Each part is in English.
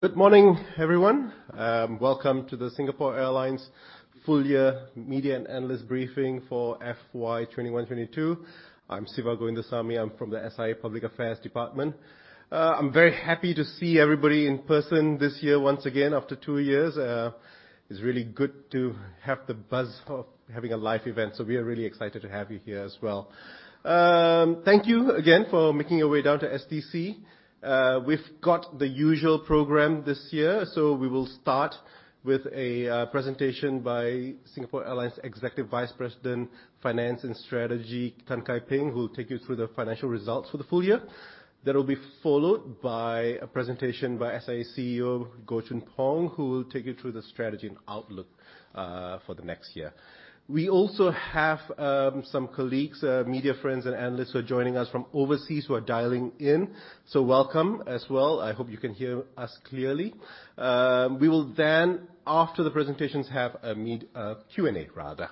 Good morning, everyone. Welcome to the Singapore Airlines full year media and analyst briefing for FY 2021/2022. I'm Siva Govindasamy. I'm from the SIA Public Affairs department. I'm very happy to see everybody in person this year once again after two years. It's really good to have the buzz of having a live event, so we are really excited to have you here as well. Thank you again for making your way down to STC. We've got the usual program this year, so we will start with a presentation by Singapore Airlines Executive Vice President, Finance and Strategy, Tan Kai Ping, who will take you through the financial results for the full year. That'll be followed by a presentation by SIA CEO, Goh Choon Phong, who will take you through the strategy and outlook for the next year. We also have some colleagues, media friends and analysts who are joining us from overseas who are dialing in, so welcome as well. I hope you can hear us clearly. We will then, after the presentations, have a Q&A rather.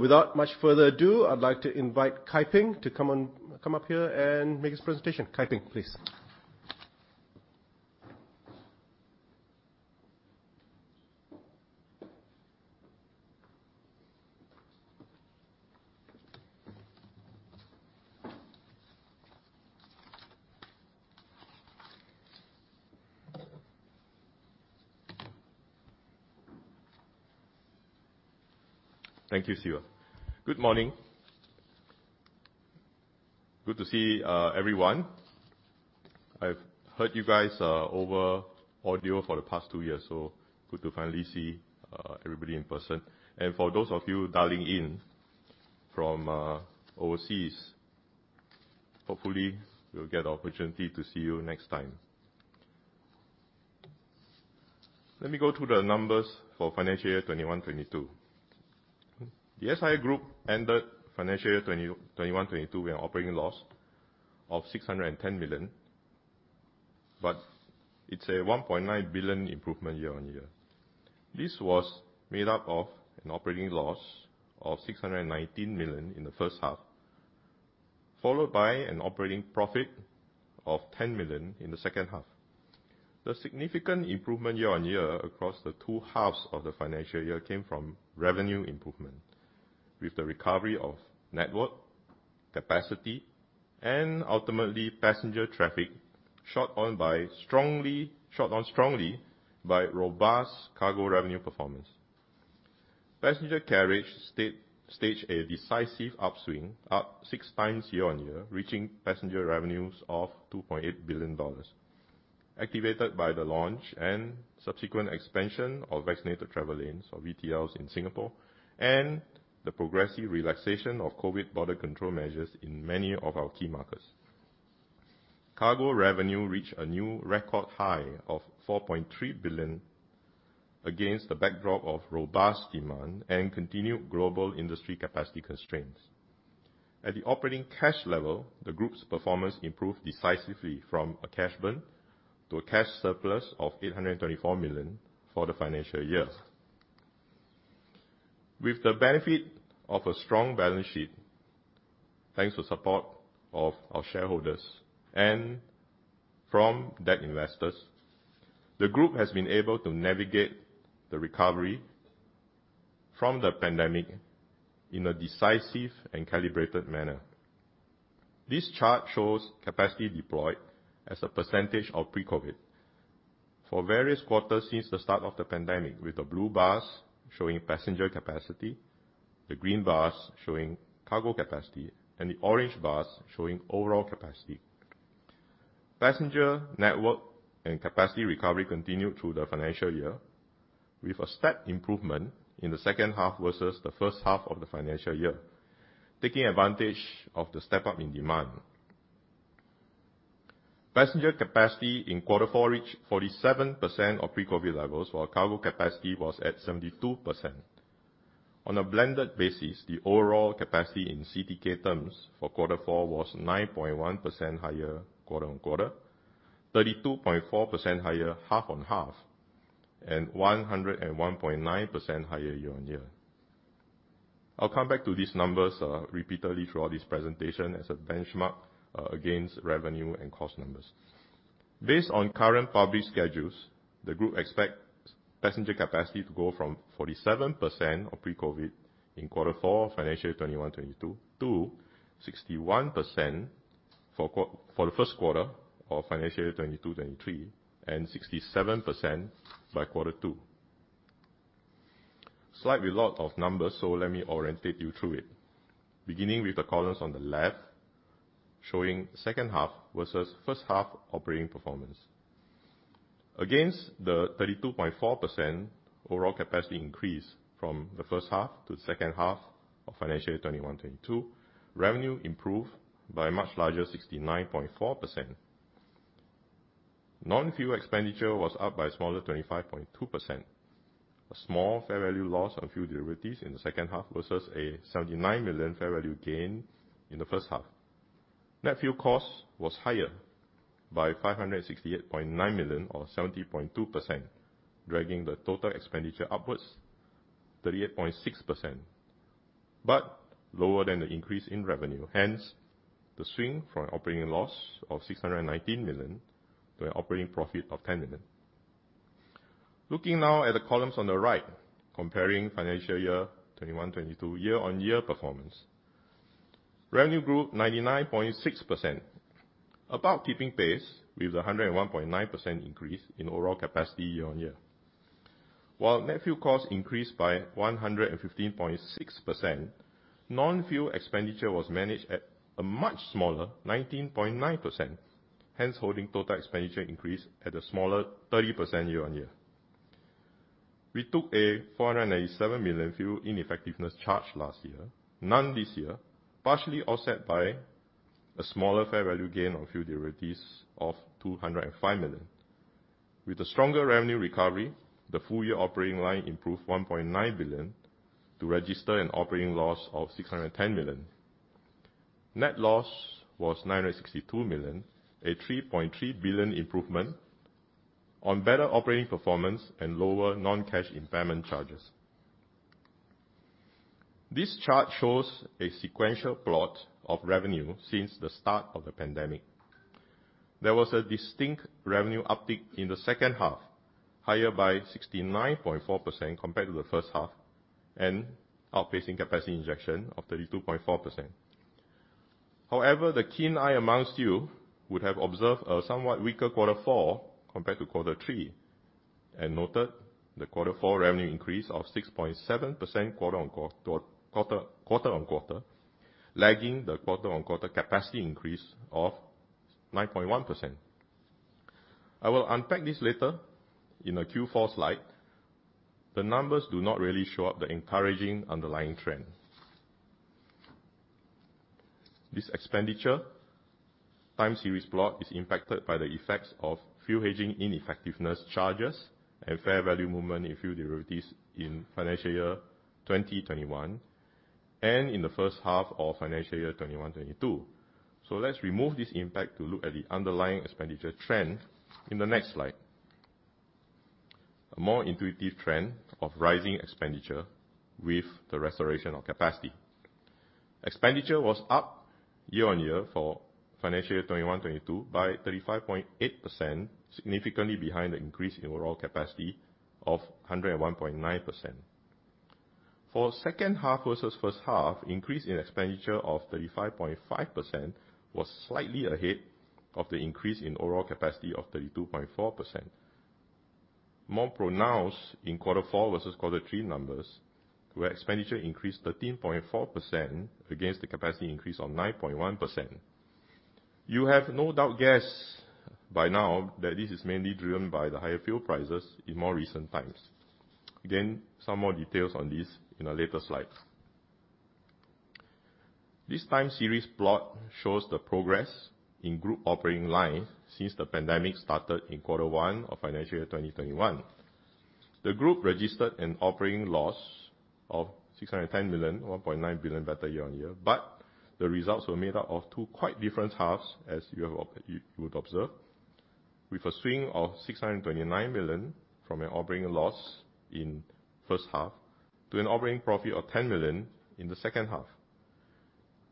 Without much further ado, I'd like to invite Kai Ping to come up here and make his presentation. Kai Ping, please. Thank you, Siva. Good morning. Good to see everyone. I've heard you guys over audio for the past two years, so good to finally see everybody in person. For those of you dialing in from overseas, hopefully we'll get the opportunity to see you next time. Let me go through the numbers for financial year 2021/2022. The SIA Group ended financial year 2021/2022 with an operating loss of 610 million, but it's a 1.9 billion improvement year-on-year. This was made up of an operating loss of 619 million in the first half, followed by an operating profit of 10 million in the second half. The significant improvement year-on-year across the two halves of the financial year came from revenue improvement with the recovery of network, capacity and ultimately passenger traffic shot up strongly by robust cargo revenue performance. Passenger carriage staged a decisive upswing, up six times year-on-year, reaching passenger revenues of 2.8 billion dollars, activated by the launch and subsequent expansion of vaccinated travel lanes or VTLs in Singapore and the progressive relaxation of COVID border control measures in many of our key markets. Cargo revenue reached a new record high of 4.3 billion against the backdrop of robust demand and continued global industry capacity constraints. At the operating cash level, the group's performance improved decisively from a cash burn to a cash surplus of 824 million for the financial year. With the benefit of a strong balance sheet, thanks to support of our shareholders and from debt investors, the group has been able to navigate the recovery from the pandemic in a decisive and calibrated manner. This chart shows capacity deployed as a percentage of pre-COVID for various quarters since the start of the pandemic, with the blue bars showing passenger capacity, the green bars showing cargo capacity, and the orange bars showing overall capacity. Passenger network and capacity recovery continued through the financial year with a step improvement in the second half versus the first half of the financial year, taking advantage of the step up in demand. Passenger capacity in quarter four reached 47% of pre-COVID levels while cargo capacity was at 72%. On a blended basis, the overall capacity in CTK terms for quarter four was 9.1% higher quarter-on-quarter, 32.4% higher half-on-half, and 101.9% higher year-on-year. I'll come back to these numbers repeatedly throughout this presentation as a benchmark against revenue and cost numbers. Based on current public schedules, the group expects passenger capacity to go from 47% of pre-COVID in quarter four, financial year 2021/2022 to 61% for the first quarter of financial year 2022/2023, and 67% by quarter two. Slightly lot of numbers, so let me orient you through it. Beginning with the columns on the left, showing second half versus first half operating performance. Against the 32.4% overall capacity increase from the first half to the second half of financial year 2021/2022, revenue improved by a much larger 69.4%. Non-fuel expenditure was up by a smaller 25.2%. A small fair value loss on fuel derivatives in the second half versus a 79 million fair value gain in the first half. Net fuel cost was higher by 568.9 million or 70.2%, dragging the total expenditure upwards 38.6%, lower than the increase in revenue, hence the swing from operating loss of 619 million to an operating profit of 10 million. Looking now at the columns on the right, comparing financial year 2021/2022 year-on-year performance. Revenue grew 99.6%, about keeping pace with a 101.9% increase in overall capacity year-on-year. While net fuel costs increased by 115.6%, non-fuel expenditure was managed at a much smaller 19.9%, hence holding total expenditure increase at a smaller 30% year-on-year. We took a 487 million fuel ineffectiveness charge last year, none this year, partially offset by a smaller fair value gain on fuel derivatives of 205 million. With the stronger revenue recovery, the full-year operating line improved 1.9 billion to register an operating loss of 610 million. Net loss was 962 million, a 3.3 billion improvement on better operating performance and lower non-cash impairment charges. This chart shows a sequential plot of revenue since the start of the pandemic. There was a distinct revenue uptick in the second half, higher by 69.4% compared to the first half and outpacing capacity injection of 32.4%. However, the keen eye amongst you would have observed a somewhat weaker quarter four compared to quarter three and noted the quarter four revenue increase of 6.7% quarter on quarter, lagging the quarter on quarter capacity increase of 9.1%. I will unpack this later in a Q4 slide. The numbers do not really show up the encouraging underlying trend. This expenditure time series plot is impacted by the effects of fuel hedging ineffectiveness charges and fair value movement in fuel derivatives in financial year 2021 and in the first half of financial year 2021/2022. Let's remove this impact to look at the underlying expenditure trend in the next slide. A more intuitive trend of rising expenditure with the restoration of capacity. Expenditure was up year-on-year for FY 2021/2022 by 35.8%, significantly behind the increase in overall capacity of 101.9%. For second half versus first half, increase in expenditure of 35.5% was slightly ahead of the increase in overall capacity of 32.4%. More pronounced in quarter four versus quarter three numbers, where expenditure increased 13.4% against the capacity increase of 9.1%. You have no doubt guessed by now that this is mainly driven by the higher fuel prices in more recent times. Again, some more details on this in the later slides. This time series plot shows the progress in group operating line since the pandemic started in quarter one of financial year 2021. The group registered an operating loss of 610 million, 1.9 billion better year-on-year, but the results were made up of two quite different halves, as you would observe, with a swing of 629 million from an operating loss in first half to an operating profit of 10 million in the second half.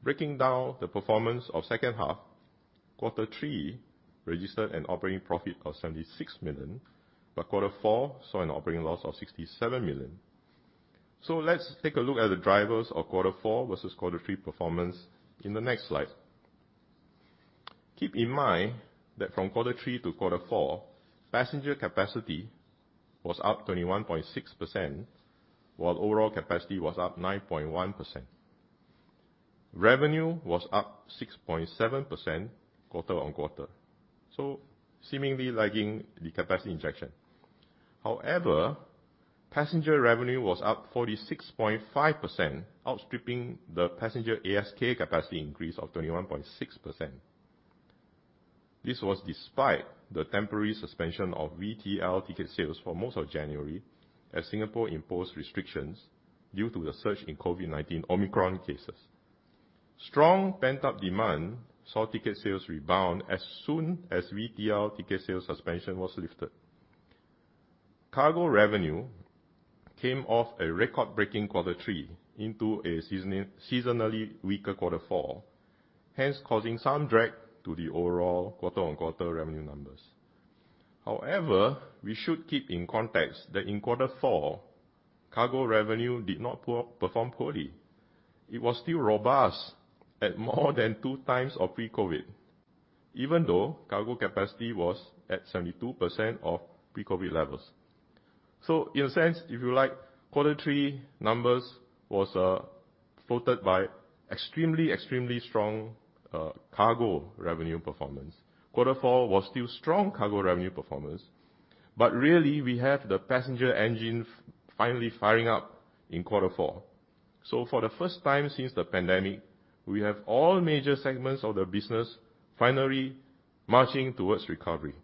Breaking down the performance of second half, quarter 3 registered an operating profit of 76 million, but quarter four saw an operating loss of 67 million. Let's take a look at the drivers of quarter four versus quarter three performance in the next slide. Keep in mind that from quarter three to quarter four, passenger capacity was up 21.6%, while overall capacity was up 9.1%. Revenue was up 6.7% quarter on quarter, so seemingly lagging the capacity injection. However, passenger revenue was up 46.5%, outstripping the passenger ASK capacity increase of 21.6%. This was despite the temporary suspension of VTL ticket sales for most of January as Singapore imposed restrictions due to the surge in COVID-19 Omicron cases. Strong pent-up demand saw ticket sales rebound as soon as VTL ticket sales suspension was lifted. Cargo revenue came off a record-breaking quarter three into a seasonally weaker quarter four, hence causing some drag to the overall quarter on quarter revenue numbers. However, we should keep in context that in quarter four, cargo revenue did not perform poorly. It was still robust at more than 2x of pre-COVID, even though cargo capacity was at 72% of pre-COVID levels. In a sense, if you like, quarter three numbers was floated by extremely strong cargo revenue performance. Quarter four was still strong cargo revenue performance, but really we have the passenger engine finally firing up in quarter four. For the first time since the pandemic, we have all major segments of the business finally marching towards recovery.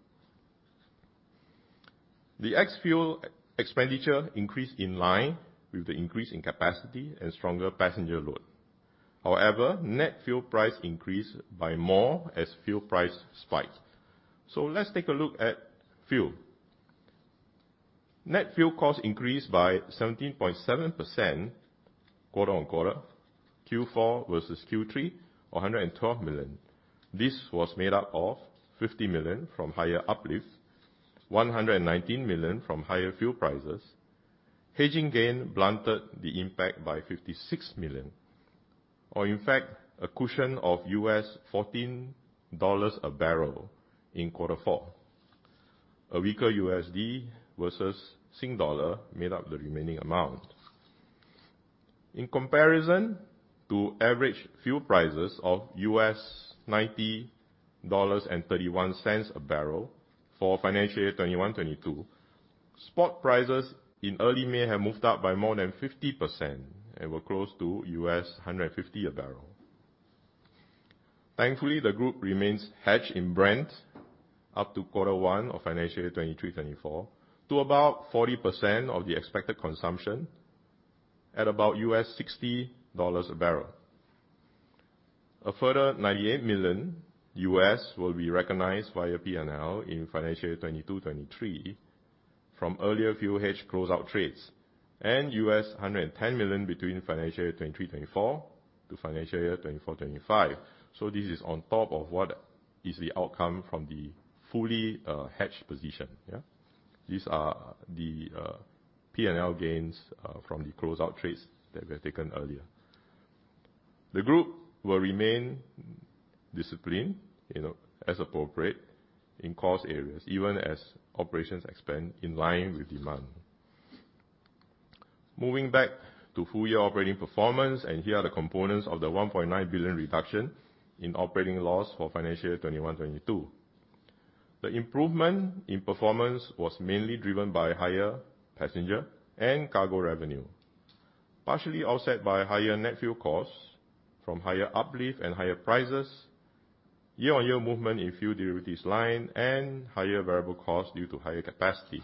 The ex-fuel expenditure increased in line with the increase in capacity and stronger passenger load. However, net fuel price increased by more as fuel price spiked. Let's take a look at fuel. Net fuel cost increased by 17.7% quarter on quarter, Q4 versus Q3 or 112 million. This was made up of 50 million from higher uplift, 119 million from higher fuel prices. Hedging gain blunted the impact by 56 million or in fact a cushion of $14 a barrel in quarter four. A weaker USD versus Sing Dollar made up the remaining amount. In comparison to average fuel prices of $90.31 a barrel for financial year 2021/2022. Spot prices in early May have moved up by more than 50% and were close to $150 a barrel. Thankfully, the group remains hedged in Brent up to quarter one of financial year 2023/24 to about 40% of the expected consumption at about $60 a barrel. A further $98 million will be recognized via P&L in financial year 2022/23 from earlier fuel hedge close out trades and $110 million between financial year 2023/2024 to financial year 2024/2025. This is on top of what is the outcome from the fully hedged position. These are the P&L gains from the close out trades that were taken earlier. The group will remain disciplined, you know, as appropriate in cost areas, even as operations expand in line with demand. Moving back to full year operating performance, and here are the components of the 1.9 billion reduction in operating loss for financial year 2021/2022. The improvement in performance was mainly driven by higher passenger and cargo revenue, partially offset by higher net fuel costs from higher uplift and higher prices, year-on-year movement in fuel derivatives line, and higher variable costs due to higher capacity.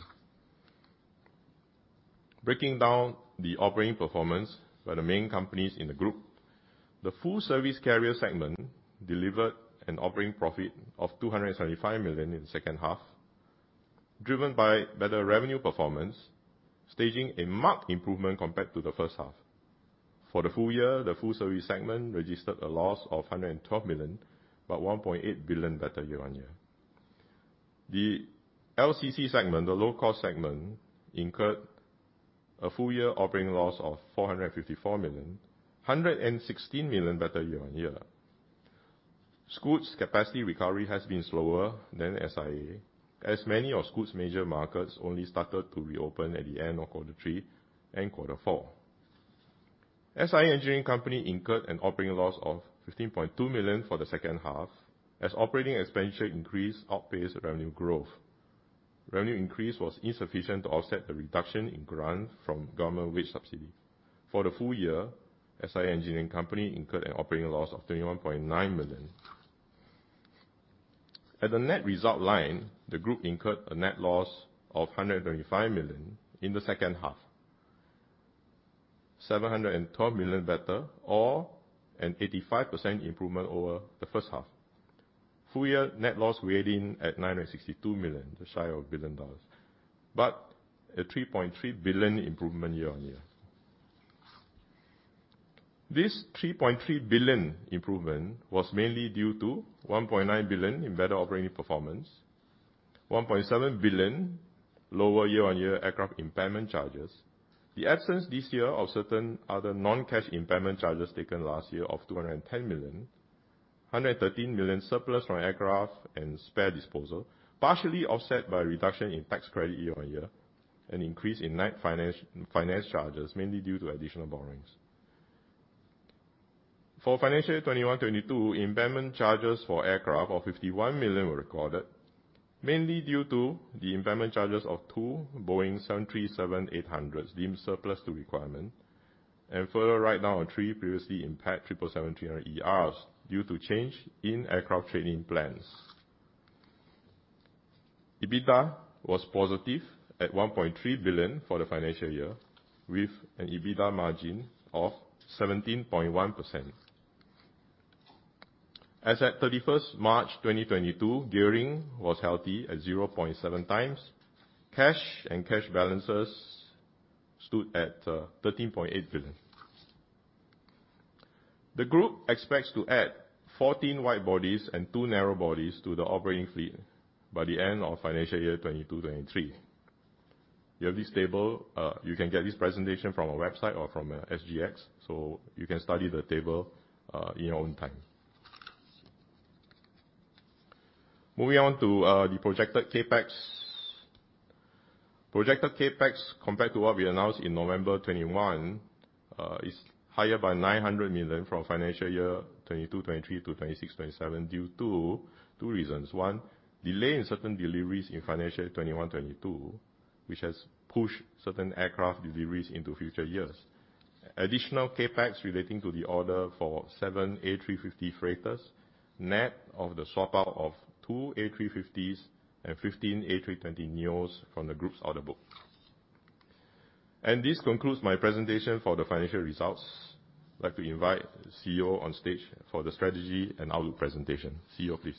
Breaking down the operating performance by the main companies in the group, the full-service carrier segment delivered an operating profit of 275 million in the second half, driven by better revenue performance, staging a marked improvement compared to the first half. For the full year, the full-service segment registered a loss of 112 million, but 1.8 billion better year-on-year. The LCC segment, the low-cost segment, incurred a full year operating loss of 454 million, 116 million better year-on-year. Scoot's capacity recovery has been slower than SIA, as many of Scoot's major markets only started to reopen at the end of quarter three and quarter four. SIA Engineering Company incurred an operating loss of 15.2 million for the second half as operating expenditure increase outpaced revenue growth. Revenue increase was insufficient to offset the reduction in grant from government wage subsidy. For the full year, SIA Engineering Company incurred an operating loss of SGD 21.9 million. At the net result line, the group incurred a net loss of 135 million in the second half. 712 million better or an 85% improvement over the first half. Full year net loss weighed in at 962 million, just shy of 1 billion dollars, but a 3.3 billion improvement year-on-year. This 3.3 billion improvement was mainly due to 1.9 billion in better operating performance, 1.7 billion lower year-over-year aircraft impairment charges. The absence this year of certain other non-cash impairment charges taken last year of 210 million, 113 million surplus from aircraft and spares disposal, partially offset by a reduction in tax credit year-over-year, an increase in net finance charges, mainly due to additional borrowings. For financial year 2021/2022, impairment charges for aircraft of 51 million were recorded, mainly due to the impairment charges of two Boeing 737-800s deemed surplus to requirement and further write-down of three previously impaired 777-300ERs due to change in aircraft trading plans. EBITDA was positive at SGD 1.3 billion for the financial year with an EBITDA margin of 17.1%. As at 31st March 2022, gearing was healthy at 0.7x. Cash and cash balances stood at 13.8 billion. The group expects to add 14 wide-bodies and two narrow-bodies to the operating fleet by the end of financial year 2022/2023. You have this table. You can get this presentation from our website or from SGX, so you can study the table in your own time. Moving on to the projected CapEx. Projected CapEx compared to what we announced in November 2021 is higher by 900 million from financial year 2022/2023 to 2026/2027 due to two reasons. One, delay in certain deliveries in financial year 2021/22, which has pushed certain aircraft deliveries into future years. Additional CapEx relating to the order for seven A350 freighters, net of the swap-out of two A350s and 15 A320neos from the group's order book. This concludes my presentation for the financial results. I'd like to invite CEO on stage for the strategy and outlook presentation. CEO, please.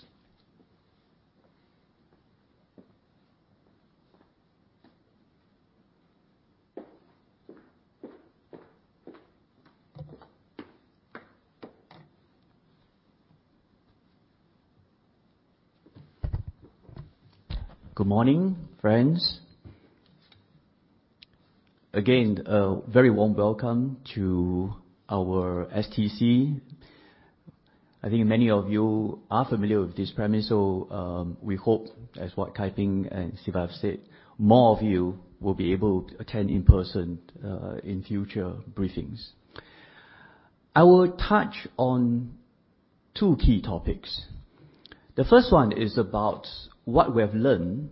Good morning, friends. Again, a very warm welcome to our STC. I think many of you are familiar with this premise, so we hope that's what Kai Ping and Siva have said, more of you will be able to attend in person in future briefings. I will touch on two key topics. The first one is about what we have learned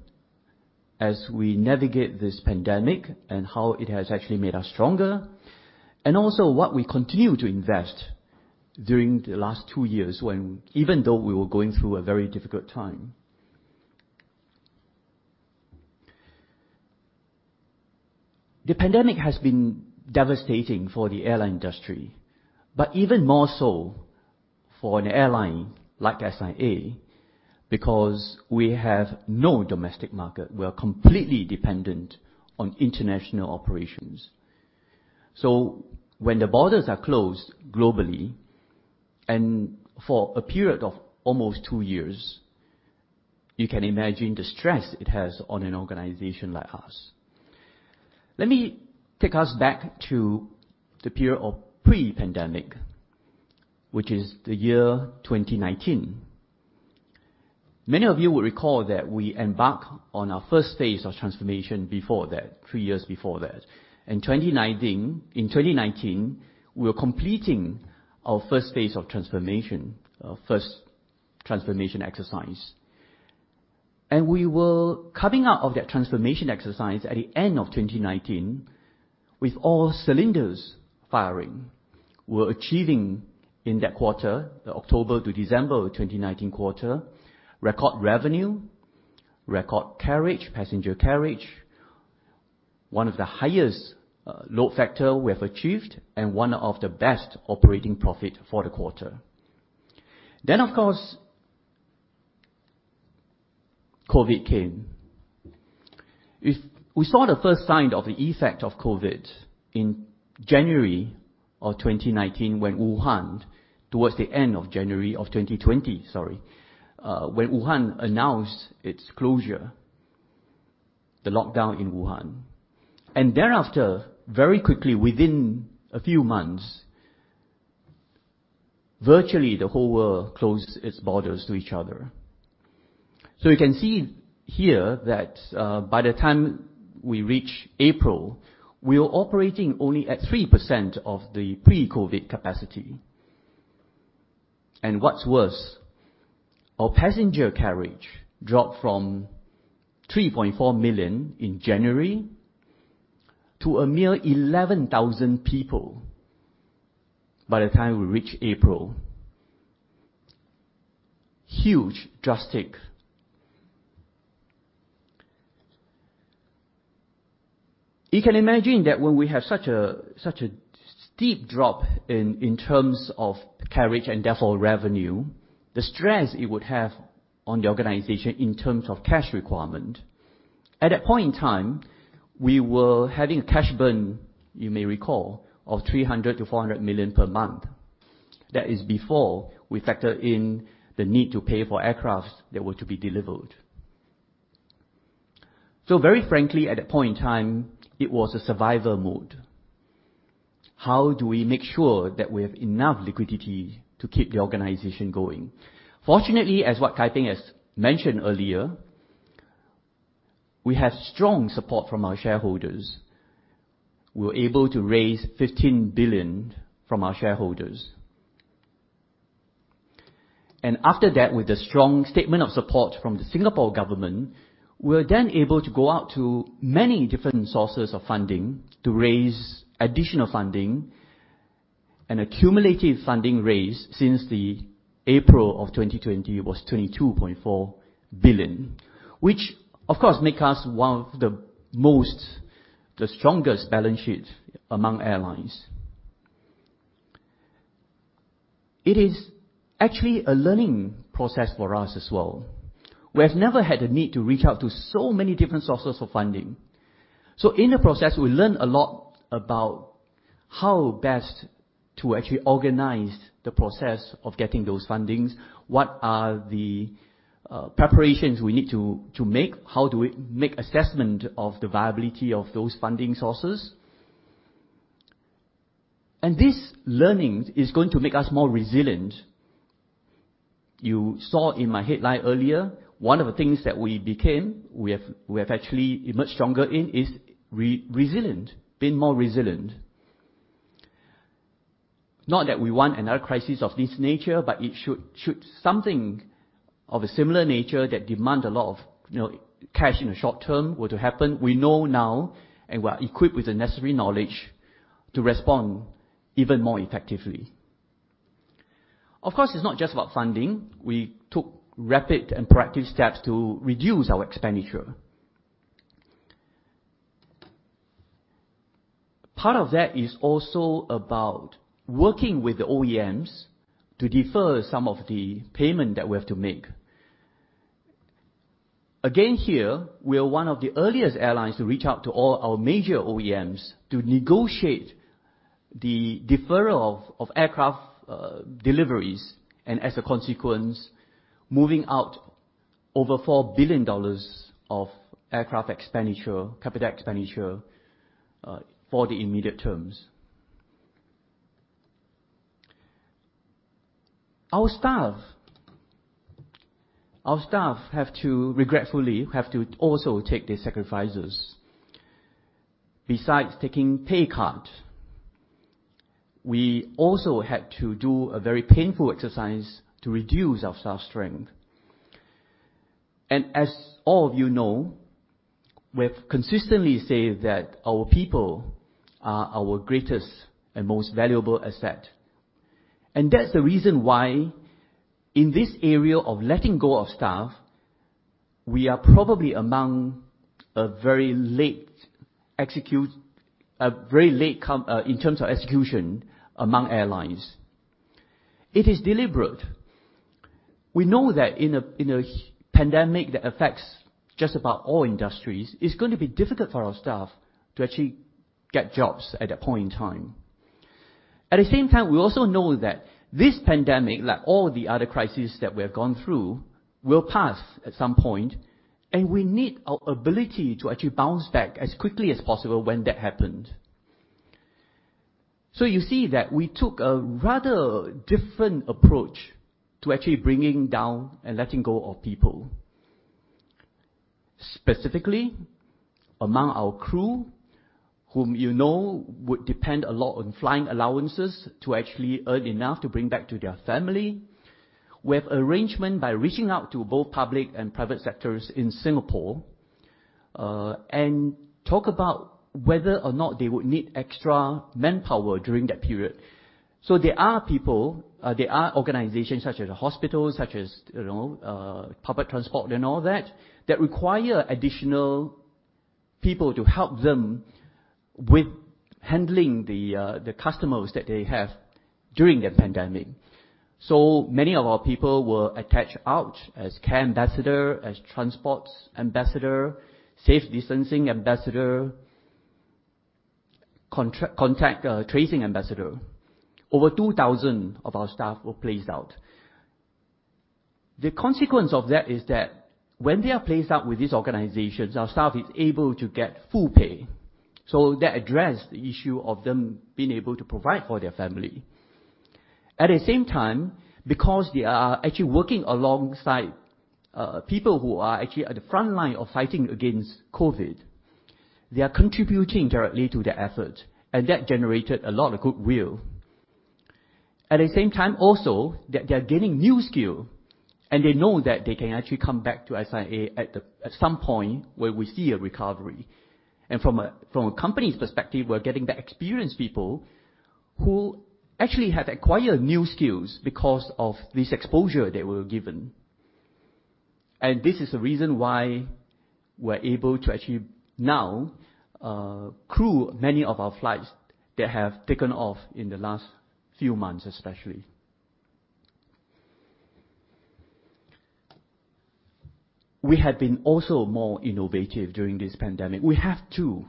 as we navigate this pandemic and how it has actually made us stronger, and also what we continue to invest during the last two years when even though we were going through a very difficult time. The pandemic has been devastating for the airline industry, but even more so for an airline like SIA because we have no domestic market. We are completely dependent on international operations. When the borders are closed globally and for a period of almost two years, you can imagine the stress it has on an organization like us. Let me take us back to the period of pre-pandemic, which is the year 2019. Many of you will recall that we embarked on our first phase of transformation before that, three years before that. In 2019, we were completing our first phase of transformation, our first transformation exercise. We were coming out of that transformation exercise at the end of 2019 with all cylinders firing. We were achieving in that quarter, the October to December of 2019 quarter, record revenue, record carriage, passenger carriage, one of the highest load factor we have achieved, and one of the best operating profit for the quarter. Of course, COVID came. If we saw the first sign of the effect of COVID towards the end of January 2020 when Wuhan announced its closure, the lockdown in Wuhan. Thereafter, very quickly within a few months, virtually the whole world closed its borders to each other. You can see here that by the time we reach April, we were operating only at 3% of the pre-COVID capacity. What's worse, our passenger carriage dropped from 3.4 million in January to a mere 11,000 people by the time we reached April. Huge drastic. You can imagine that when we have such a steep drop in terms of carriage and therefore revenue, the stress it would have on the organization in terms of cash requirement. At that point in time, we were having cash burn, you may recall, of 300 million-400 million per month. That is before we factor in the need to pay for aircraft that were to be delivered. Very frankly, at that point in time, it was a survival mode. How do we make sure that we have enough liquidity to keep the organization going? Fortunately, as what Kai Ping has mentioned earlier, we have strong support from our shareholders. We were able to raise 15 billion from our shareholders. After that, with the strong statement of support from the Singapore government, we were then able to go out to many different sources of funding to raise additional funding. A cumulative funding raised since the April of 2020 was 22.4 billion, which of course, makes us one of the strongest balance sheets among airlines. It is actually a learning process for us as well. We have never had the need to reach out to so many different sources of funding. In the process, we learn a lot about how best to actually organize the process of getting those fundings. What are the preparations we need to make, how do we make assessment of the viability of those funding sources. This learning is going to make us more resilient. You saw in my headline earlier, one of the things that we have actually emerged stronger in is resilient, being more resilient. Not that we want another crisis of this nature, but it should something of a similar nature that demand a lot of, you know, cash in the short term were to happen, we know now and we're equipped with the necessary knowledge to respond even more effectively. Of course, it's not just about funding. We took rapid and proactive steps to reduce our expenditure. Part of that is also about working with the OEMs to defer some of the payment that we have to make. Again here, we are one of the earliest airlines to reach out to all our major OEMs to negotiate the deferral of aircraft deliveries, and as a consequence, moving out over $4 billion of aircraft expenditure, capital expenditure, for the immediate terms. Our staff have to regretfully also take these sacrifices. Besides taking pay cuts, we also had to do a very painful exercise to reduce our staff strength. As all of you know, we've consistently said that our people are our greatest and most valuable asset. That's the reason why in this area of letting go of staff, we are probably among a very late comer in terms of execution among airlines. It is deliberate. We know that in a pandemic that affects just about all industries, it's going to be difficult for our staff to actually get jobs at that point in time. At the same time, we also know that this pandemic, like all the other crises that we have gone through, will pass at some point, and we need our ability to actually bounce back as quickly as possible when that happened. You see that we took a rather different approach to actually bringing down and letting go of people. Specifically, among our crew, whom you know would depend a lot on flying allowances to actually earn enough to bring back to their family, we have arrangement by reaching out to both public and private sectors in Singapore and talk about whether or not they would need extra manpower during that period. There are organizations such as hospitals, you know, public transport and all that require additional people to help them with handling the customers that they have during the pandemic. Many of our people were attached out as care ambassador, as transport ambassador, safe distancing ambassador, contact tracing ambassador. Over 2,000 of our staff were placed out. The consequence of that is that when they are placed out with these organizations, our staff is able to get full pay. That addressed the issue of them being able to provide for their family. At the same time, because they are actually working alongside people who are actually at the front line of fighting against COVID, they are contributing directly to the effort, and that generated a lot of goodwill. At the same time also, that they are gaining new skill, and they know that they can actually come back to SIA at some point where we see a recovery. From a company's perspective, we're getting back experienced people who actually have acquired new skills because of this exposure they were given. This is the reason why we're able to actually now crew many of our flights that have taken off in the last few months, especially. We have been also more innovative during this pandemic. We have to.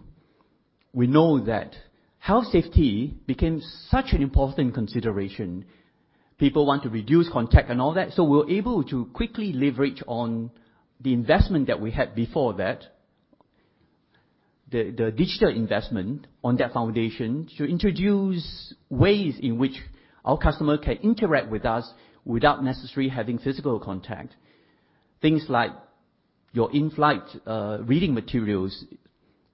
We know that health safety became such an important consideration. People want to reduce contact and all that. We're able to quickly leverage on the investment that we had before that, the digital investment on that foundation, to introduce ways in which our customer can interact with us without necessarily having physical contact. Things like your in-flight reading materials,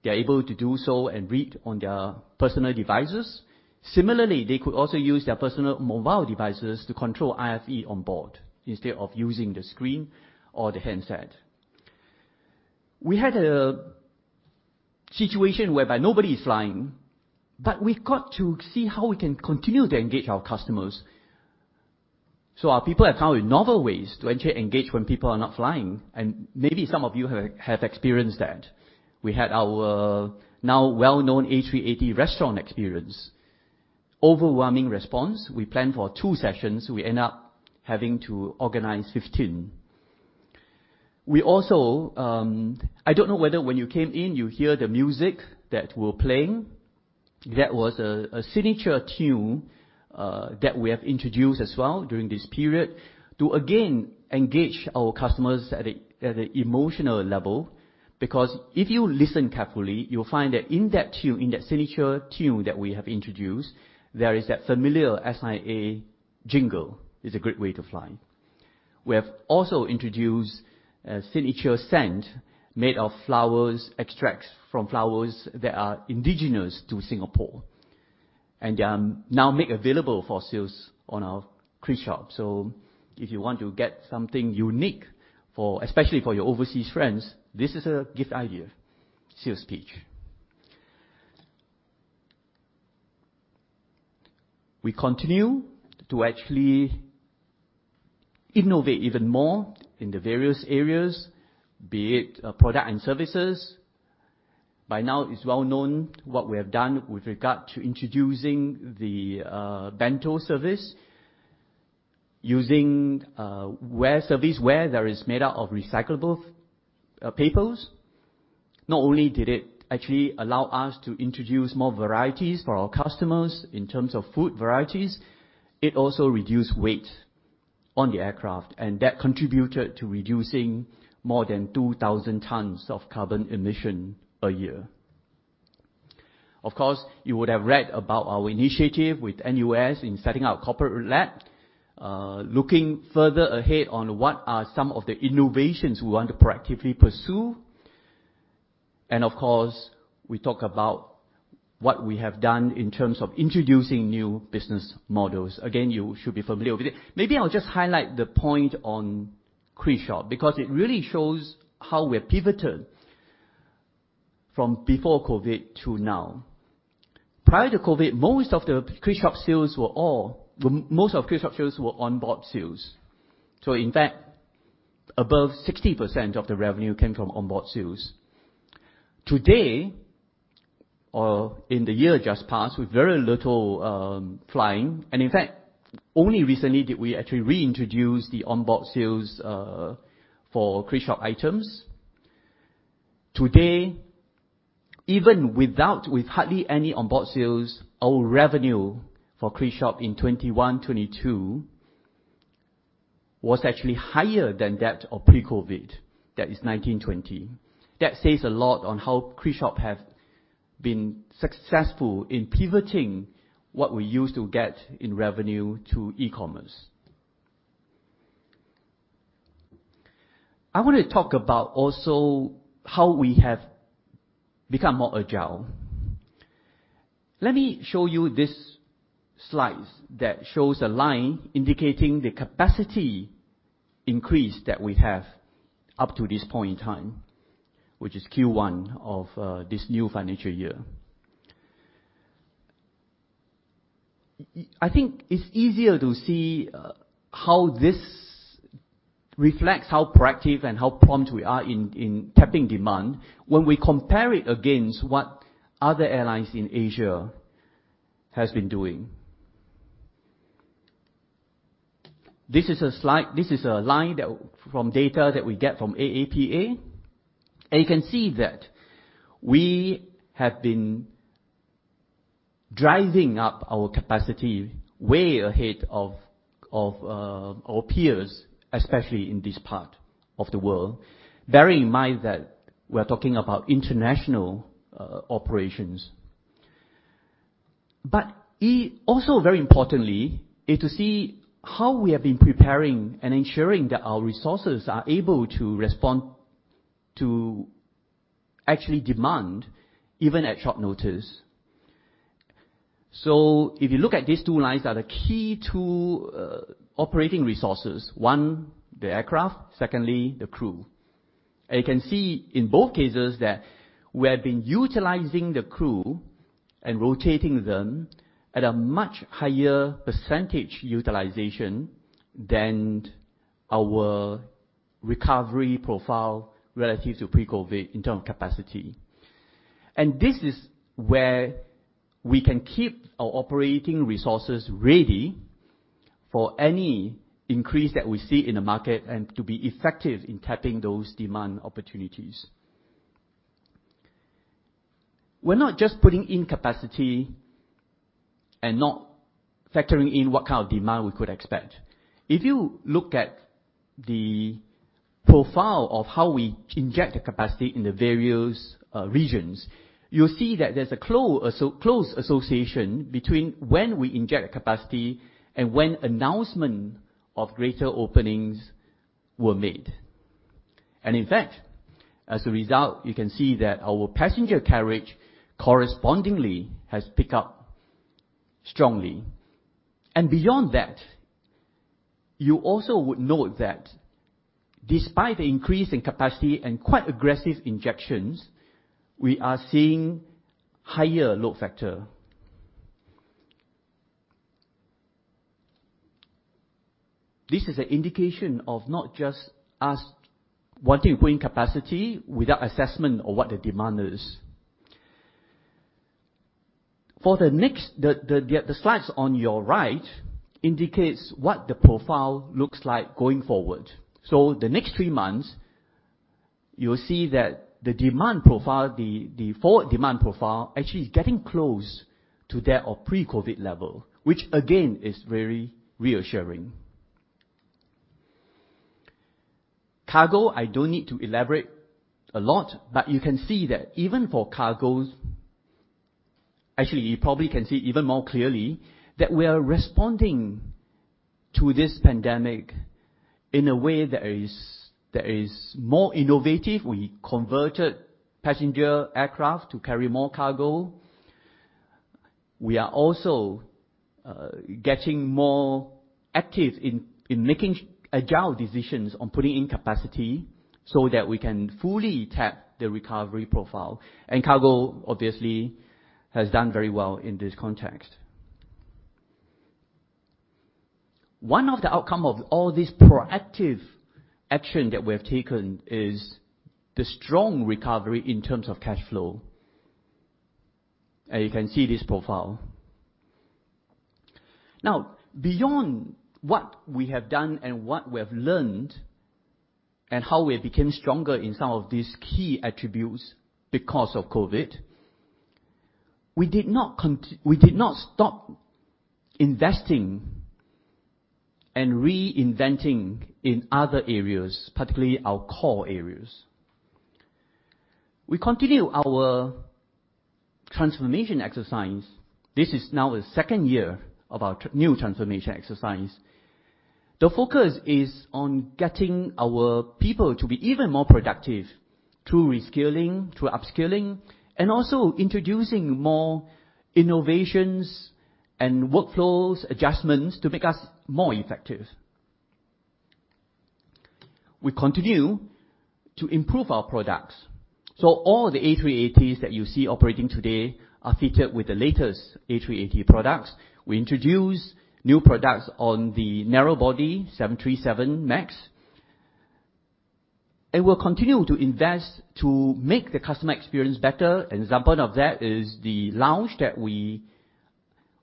they're able to do so and read on their personal devices. Similarly, they could also use their personal mobile devices to control IFE on board instead of using the screen or the handset. We had a situation whereby nobody is flying, but we've got to see how we can continue to engage our customers. Our people have found novel ways to actually engage when people are not flying, and maybe some of you have experienced that. We had our now well-known A380 restaurant experience. Overwhelming response. We planned for two sessions. We end up having to organize 15. We also, I don't know whether when you came in, you hear the music that we're playing. That was a signature tune that we have introduced as well during this period to again engage our customers at an emotional level. Because if you listen carefully, you'll find that in that tune, in that signature tune that we have introduced, there is that familiar SIA jingle, "It's a great way to fly." We have also introduced a signature scent made of flowers, extracts from flowers that are indigenous to Singapore, and they are now made available for sale on our KrisShop. If you want to get something unique for, especially for your overseas friends, this is a gift idea. Sales pitch. We continue to actually innovate even more in the various areas, be it product and services. By now, it's well-known what we have done with regard to introducing the bento service using serviceware where there is made up of recyclable papers. Not only did it actually allow us to introduce more varieties for our customers in terms of food varieties, it also reduced weight on the aircraft, and that contributed to reducing more than 2,000 tons of carbon emission a year. Of course, you would have read about our initiative with NUS in setting up corporate lab, looking further ahead on what are some of the innovations we want to proactively pursue. Of course, we talk about what we have done in terms of introducing new business models. Again, you should be familiar with it. Maybe I'll just highlight the point on KrisShop because it really shows how we have pivoted from before COVID to now. Prior to COVID, most of KrisShop sales were onboard sales. In fact, above 60% of the revenue came from onboard sales. Today, or in the year just passed, with very little flying, and in fact, only recently did we actually reintroduce the onboard sales for KrisShop items. Today, even without hardly any onboard sales, our revenue for KrisShop in 2021-2022 was actually higher than that of pre-COVID, that is 2019-2020. That says a lot on how KrisShop have been successful in pivoting what we used to get in revenue to e-commerce. I wanna talk about also how we have become more agile. Let me show you this slides that shows a line indicating the capacity increase that we have up to this point in time, which is Q1 of this new financial year. I think it's easier to see how this reflects how proactive and how prompt we are in tapping demand when we compare it against what other airlines in Asia has been doing. This is a slide. This is a line that from data that we get from AAPA. You can see that we have been driving up our capacity way ahead of our peers, especially in this part of the world, bearing in mind that we're talking about international operations. Also very importantly is to see how we have been preparing and ensuring that our resources are able to respond to actual demand, even at short notice. If you look at these two lines are the key to operating resources, one, the aircraft, secondly, the crew. You can see in both cases that we have been utilizing the crew and rotating them at a much higher percentage utilization than our recovery profile relative to pre-COVID in terms of capacity. This is where we can keep our operating resources ready for any increase that we see in the market and to be effective in tapping those demand opportunities. We're not just putting in capacity and not factoring in what kind of demand we could expect. If you look at the profile of how we inject the capacity in the various regions, you'll see that there's a so close association between when we inject capacity and when announcement of greater openings were made. In fact, as a result, you can see that our passenger carriage correspondingly has picked up strongly. Beyond that, you also would note that despite the increase in capacity and quite aggressive injections, we are seeing higher load factor. This is an indication of not just us wanting to put in capacity without assessment of what the demand is. The slides on your right indicates what the profile looks like going forward. The next three months, you'll see that the demand profile, the forward demand profile actually is getting close to that of pre-COVID level, which again is very reassuring. Cargo, I don't need to elaborate a lot, but you can see that even for cargos, actually, you probably can see even more clearly that we are responding to this pandemic in a way that is more innovative. We converted passenger aircraft to carry more cargo. We are also getting more active in making agile decisions on putting in capacity so that we can fully tap the recovery profile. Cargo, obviously, has done very well in this context. One of the outcome of all this proactive action that we have taken is the strong recovery in terms of cash flow. You can see this profile. Now, beyond what we have done and what we have learned, and how we have become stronger in some of these key attributes because of COVID, we did not stop investing and reinventing in other areas, particularly our core areas. We continue our transformation exercise. This is now the second year of our new transformation exercise. The focus is on getting our people to be even more productive through reskilling, through upskilling, and also introducing more innovations and workflows, adjustments to make us more effective. We continue to improve our products, so all the A380s that you see operating today are featured with the latest A380 products. We introduce new products on the narrow body 737 MAX. We'll continue to invest to make the customer experience better. An example of that is the lounge.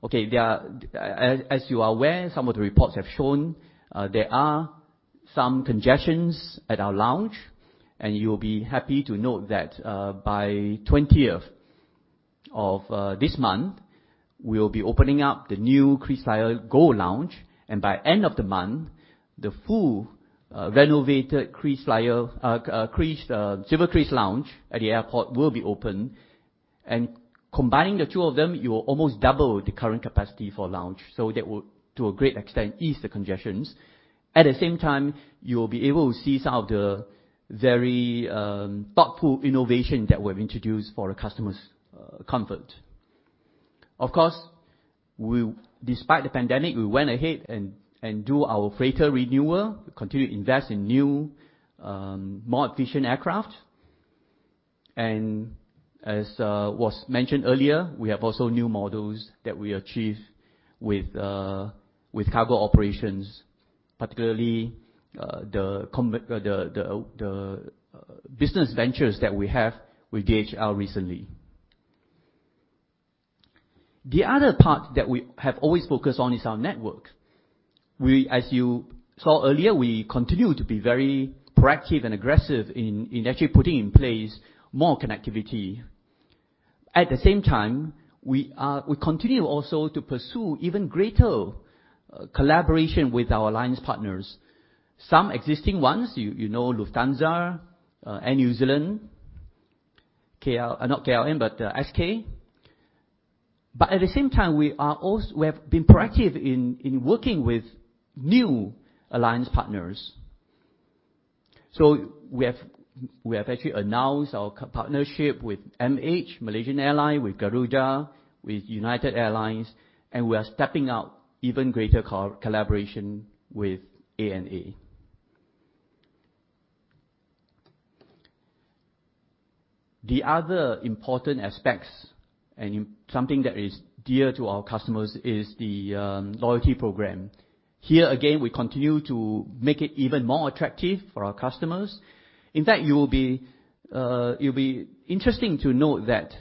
Okay, there are, as you are aware, some of the reports have shown, there are some congestion at our lounge, and you'll be happy to note that, by the 20th of this month, we'll be opening up the new KrisFlyer Gold Lounge. By end of the month, the full renovated SilverKris Lounge at the airport will be open. Combining the two of them, you will almost double the current capacity for lounge. That will, to a great extent, ease the congestion. At the same time, you'll be able to see some of the very thoughtful innovation that we've introduced for the customers' comfort. Of course, despite the pandemic, we went ahead and did our freighter renewal, continue to invest in new, more efficient aircraft. As was mentioned earlier, we have also new models that we've achieved with cargo operations, particularly the business ventures that we have with DHL recently. The other part that we have always focused on is our network. We, as you saw earlier, we continue to be very proactive and aggressive in actually putting in place more connectivity. At the same time, we continue also to pursue even greater collaboration with our alliance partners. Some existing ones, you know Lufthansa, Air New Zealand, KL. Not KLM, but SK. At the same time, we have been proactive in working with new alliance partners. We have actually announced our partnership with MH, Malaysia Airlines, with Garuda, with United Airlines, and we are stepping up even greater collaboration with ANA. The other important aspects, and something that is dear to our customers, is the loyalty program. Here, again, we continue to make it even more attractive for our customers. In fact, it'll be interesting to note that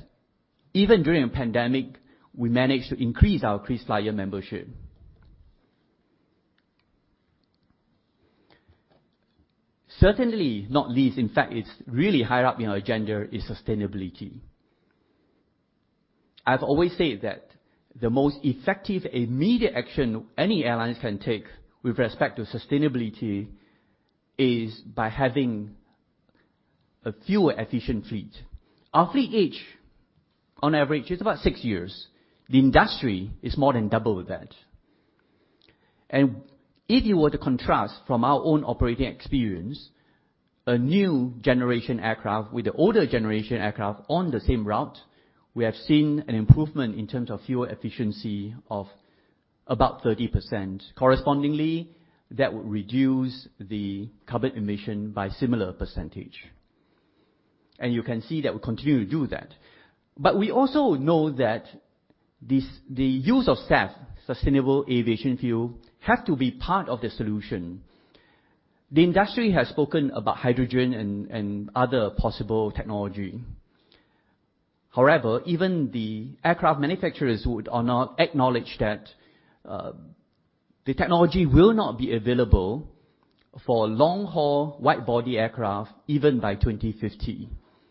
even during a pandemic, we managed to increase our KrisFlyer membership. Certainly not least, in fact, it's really high up in our agenda, is sustainability. I've always said that the most effective immediate action any airlines can take with respect to sustainability is by having a fuel-efficient fleet. Our fleet age, on average, is about six years. The industry is more than double that. If you were to contrast from our own operating experience, a new generation aircraft with the older generation aircraft on the same route, we have seen an improvement in terms of fuel efficiency of about 30%. Correspondingly, that would reduce the carbon emission by similar percentage. You can see that we continue to do that. We also know that this, the use of SAF, sustainable aviation fuel, have to be part of the solution. The industry has spoken about hydrogen and other possible technology. However, even the aircraft manufacturers would not acknowledge that the technology will not be available for long-haul wide-body aircraft even by 2050.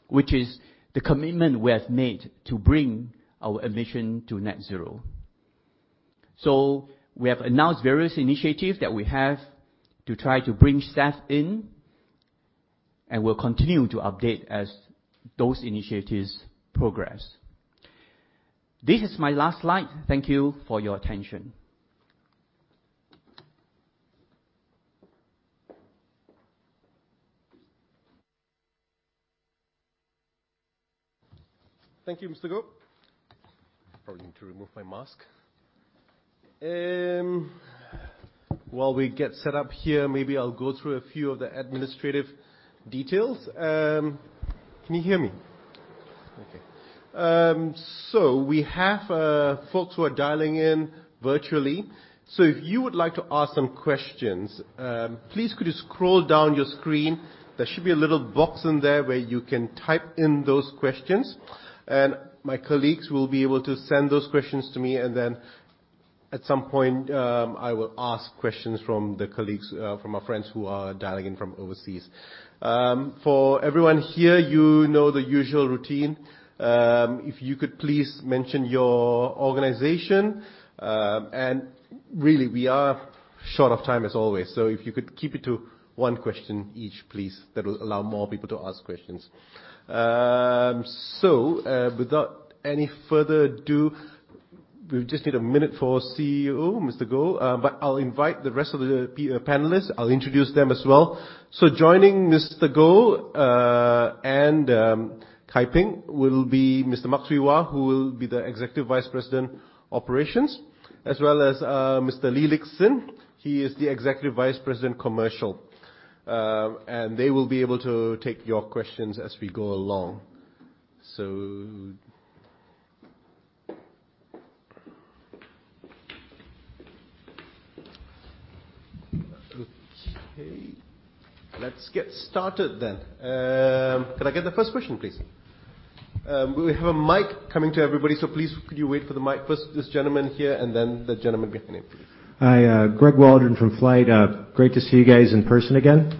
Which is the commitment we have made to bring our emissions to net zero. We have announced various initiatives that we have to try to bring SAF in, and we'll continue to update as those initiatives progress. This is my last slide. Thank you for your attention. Thank you, Mr. Goh. Probably need to remove my mask. While we get set up here, maybe I'll go through a few of the administrative details. Can you hear me? Okay. We have folks who are dialing in virtually, so if you would like to ask some questions, please could you scroll down your screen. There should be a little box in there where you can type in those questions, and my colleagues will be able to send those questions to me. At some point, I will ask questions from the colleagues, from our friends who are dialing in from overseas. For everyone here, you know the usual routine. If you could please mention your organization. Really, we are short of time as always, so if you could keep it to one question each, please, that will allow more people to ask questions. Without any further ado, we just need a minute for CEO Mr. Goh. I'll invite the rest of the panelists. I'll introduce them as well. Joining Mr. Goh and Tan Kai Ping will be Mr. Mak Swee Wah, who will be the Executive Vice President, Operations, as well as Mr. Lee Lik Hsin. He is the Executive Vice President, Commercial. They will be able to take your questions as we go along. Okay, let's get started then. Could I get the first question, please? We have a mic coming to everybody, so please could you wait for the mic. First, this gentleman here and then the gentleman behind him, please. Hi. Greg Waldron from FlightGlobal. Great to see you guys in person again.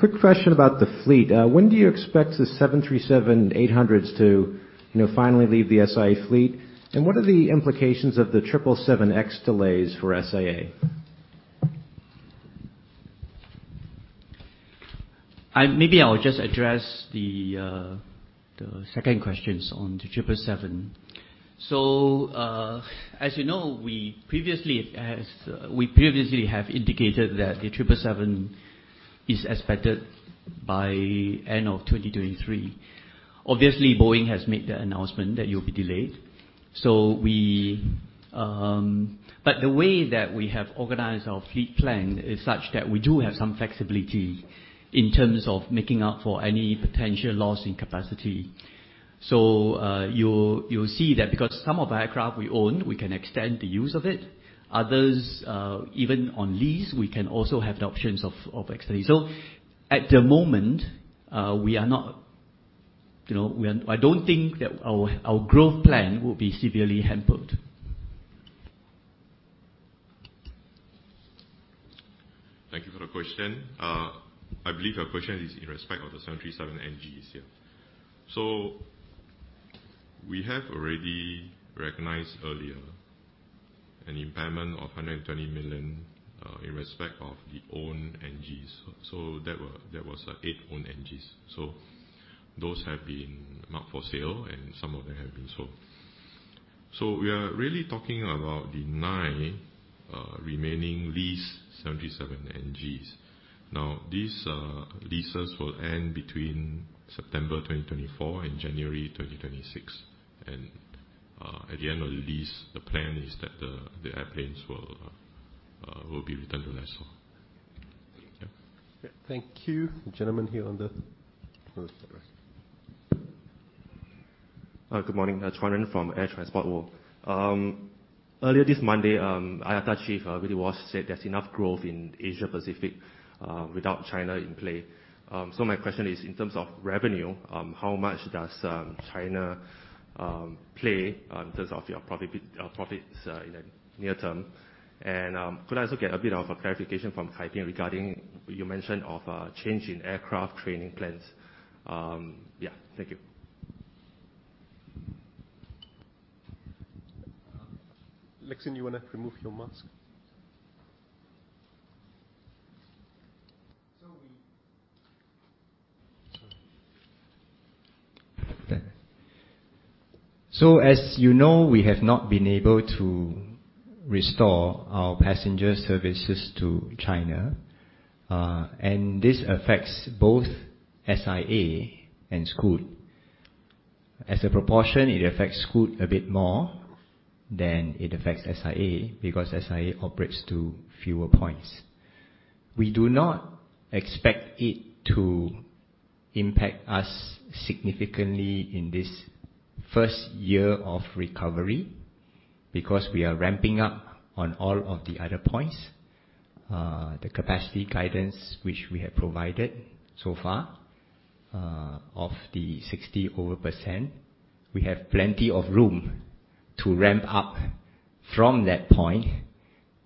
Quick question about the fleet. When do you expect the 737-800s to, you know, finally leave the SIA fleet? What are the implications of the 777X delays for SIA? Maybe I'll just address the second questions on the 777. As you know, we previously have indicated that the 777 is expected by end of 2023. Obviously, Boeing has made the announcement that it'll be delayed. The way that we have organized our fleet plan is such that we do have some flexibility in terms of making up for any potential loss in capacity. You'll see that because some of the aircraft we own, we can extend the use of it. Others, even on lease, we can also have the options of extending. At the moment, we are not, you know, I don't think that our growth plan will be severely hampered. Thank you for the question. I believe your question is in respect of the 737 NG series. We have already recognized earlier an impairment of 120 million in respect of the own 737 NGs. That was eight own 737 NGs. Those have been marked for sale and some of them have been sold. We are really talking about the nine remaining leased 737 NGs. Now, these leases will end between September 2024 and January 2026. At the end of the lease, the plan is that the airplanes will be returned to lessor. Yeah. Thank you. The gentleman here on the far right. Hi. Good morning. Chen Chuanren from Air Transport World. Earlier this Monday, IATA chief Willie Walsh said there's enough growth in Asia Pacific without China in play. My question is, in terms of revenue, how much does China play in terms of your profits in the near term? Could I also get a bit of a clarification from Tan Kai Ping regarding your mention of a change in aircraft trading plans? Thank you. Lik Hsin, you wanna remove your mask? As you know, we have not been able to restore our passenger services to China, and this affects both SIA and Scoot. As a proportion, it affects Scoot a bit more than it affects SIA, because SIA operates to fewer points. We do not expect it to impact us significantly in this first year of recovery because we are ramping up on all of the other points. The capacity guidance which we have provided so far, of the 60%, we have plenty of room to ramp up from that point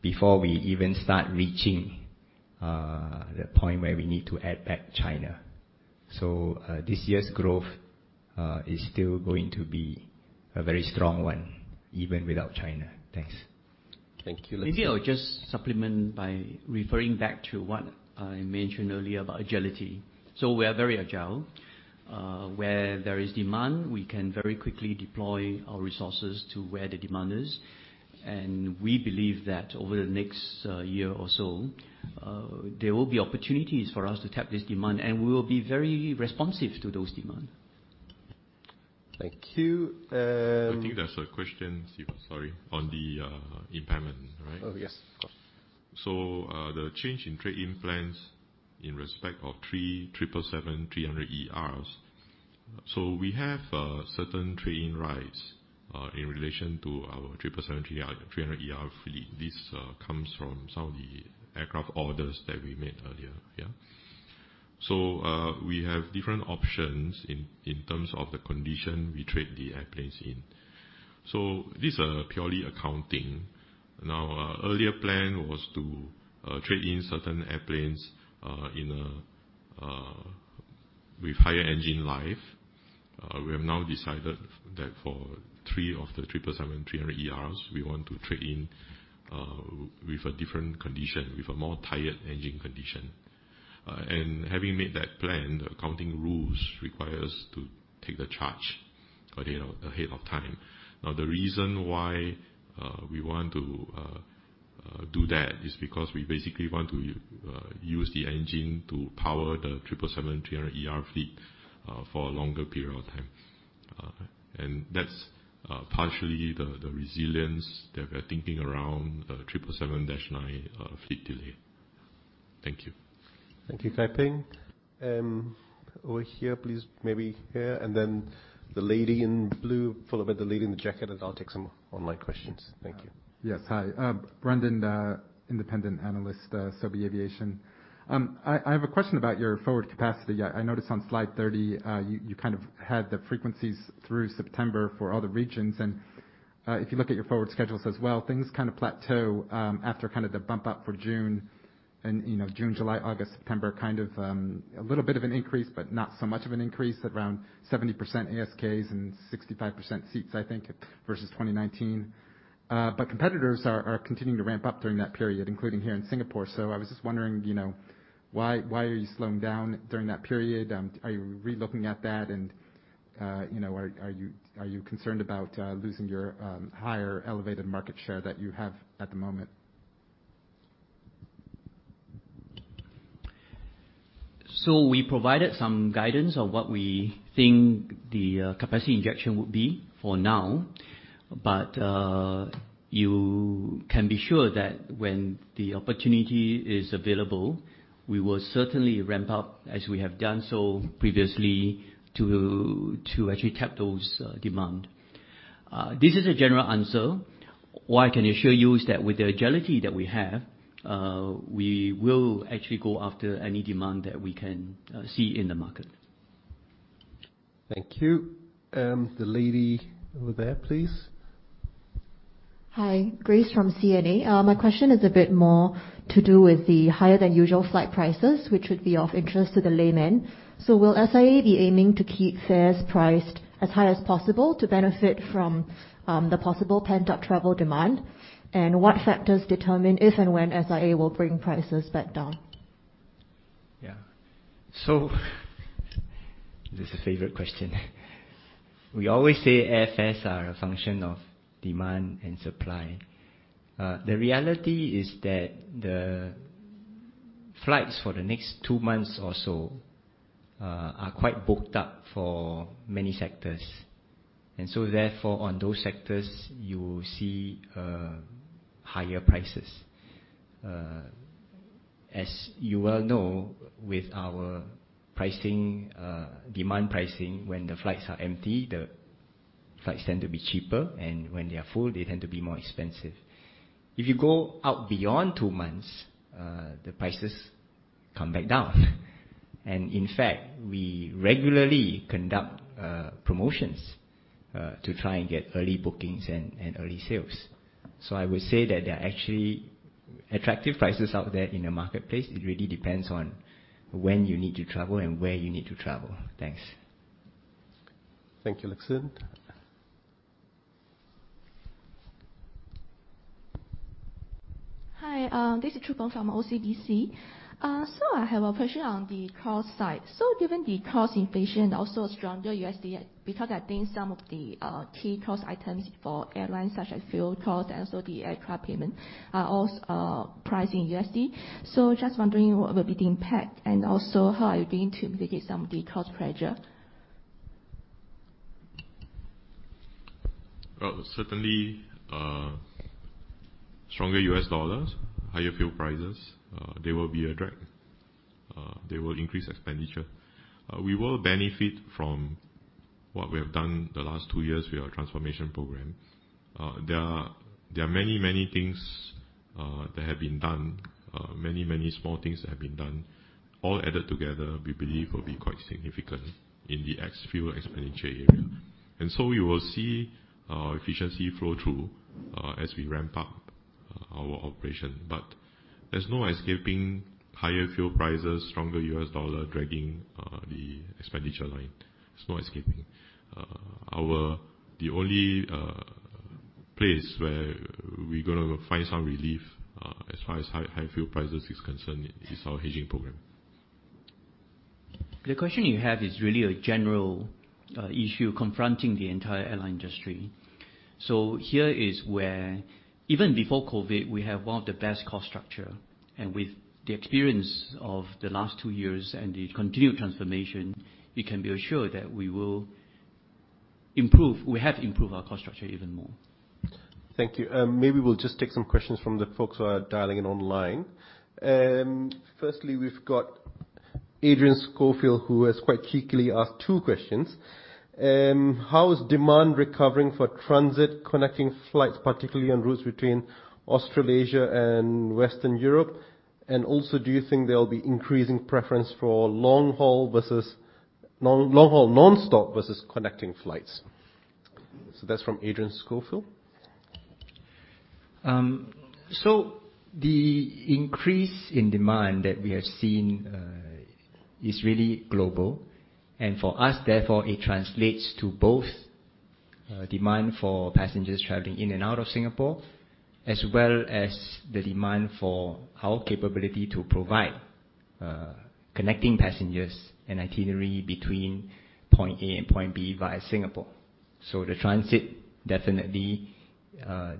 before we even start reaching the point where we need to add back China. This year's growth is still going to be a very strong one, even without China. Thanks. Thank you, Lik Hsin. Maybe I'll just supplement by referring back to what I mentioned earlier about agility. We are very agile. Where there is demand, we can very quickly deploy our resources to where the demand is. We believe that over the next year or so, there will be opportunities for us to tap this demand, and we will be very responsive to those demand. Thank you. I think there's a question, Siva, sorry, on the impairment, right? Oh, yes. The change in trade-in plans in respect of three 777-300ERs. We have certain trade-in rights in relation to our 777-300ER fleet. This comes from some of the aircraft orders that we made earlier, yeah. We have different options in terms of the condition we trade the airplanes in. These are purely accounting. Now, our earlier plan was to trade in certain airplanes with higher engine life. We have now decided that for three of the 777-300ERs, we want to trade in with a different condition, with a more tired engine condition. Having made that plan, the accounting rules require us to take the charge, you know, ahead of time. Now, the reason why we want to do that is because we basically want to use the engine to power the triple seven three hundred ER fleet for a longer period of time. That's partially the resilience that we're thinking around the triple seven dash nine fleet delay. Thank you. Thank you, Kai Ping. Over here, please. Maybe here, and then the lady in blue, followed by the lady in the jacket, and I'll take some online questions. Thank you. Yes. Hi, Brendan, the independent analyst, Sobie Aviation. I have a question about your forward capacity. I notice on slide 30, you kind of had the frequencies through September for all the regions. If you look at your forward schedules as well, things kind of plateau after kind of the bump up for June and, you know, June, July, August, September, kind of, a little bit of an increase, but not so much of an increase at around 70% ASKs and 65% seats, I think, versus 2019. But competitors are continuing to ramp up during that period, including here in Singapore. I was just wondering, you know, why are you slowing down during that period? Are you re-looking at that? You know, are you concerned about losing your higher elevated market share that you have at the moment? We provided some guidance on what we think the capacity injection would be for now. You can be sure that when the opportunity is available, we will certainly ramp up as we have done so previously to actually tap those demand. This is a general answer. What I can assure you is that with the agility that we have, we will actually go after any demand that we can see in the market. Thank you. The lady over there, please. Hi. Grace from CNA. My question is a bit more to do with the higher than usual flight prices, which would be of interest to the layman. Will SIA be aiming to keep fares priced as high as possible to benefit from the possible pent-up travel demand? And what factors determine if and when SIA will bring prices back down? Yeah. This is a favorite question. We always say airfares are a function of demand and supply. The reality is that the flights for the next two months or so are quite booked up for many sectors. Therefore, on those sectors you will see higher prices. As you well know, with our pricing, dynamic pricing, when the flights are empty, the flights tend to be cheaper, and when they are full, they tend to be more expensive. If you go out beyond two months, the prices come back down. In fact, we regularly conduct promotions to try and get early bookings and early sales. I would say that there are actually attractive prices out there in the marketplace. It really depends on when you need to travel and where you need to travel. Thanks. Thank you, Lik Hsin. Hi, this is Chu Peng from OCBC. I have a question on the cost side. Given the cost inflation, also stronger USD, because I think some of the key cost items for airlines such as fuel costs and also the aircraft payment are priced in USD. Just wondering what will be the impact, and also how are you going to mitigate some of the cost pressure? Well, certainly, stronger U.S. dollars, higher fuel prices, they will be a drag. They will increase expenditure. We will benefit from what we have done the last two years with our transformation program. There are many things that have been done, many small things that have been done. All added together, we believe will be quite significant in the ex-fuel expenditure area. We will see efficiency flow through as we ramp up our operation. There's no escaping higher fuel prices, stronger U.S. dollar dragging the expenditure line. The only place where we're gonna find some relief, as far as high fuel prices is concerned is our hedging program. The question you have is really a general issue confronting the entire airline industry. Here is where even before COVID, we have one of the best cost structure. With the experience of the last two years and the continued transformation, we can be assured that we have improved our cost structure even more. Thank you. Maybe we'll just take some questions from the folks who are dialing in online. Firstly, we've got Adrian Schofield, who has quite cheekily asked two questions. How is demand recovering for transit connecting flights, particularly on routes between Australasia and Western Europe? And also, do you think there'll be increasing preference for long-haul nonstop versus connecting flights? That's from Adrian Schofield. The increase in demand that we have seen is really global. For us, therefore, it translates to both demand for passengers traveling in and out of Singapore, as well as the demand for our capability to provide connecting passengers an itinerary between point A and point B via Singapore. The transit, definitely,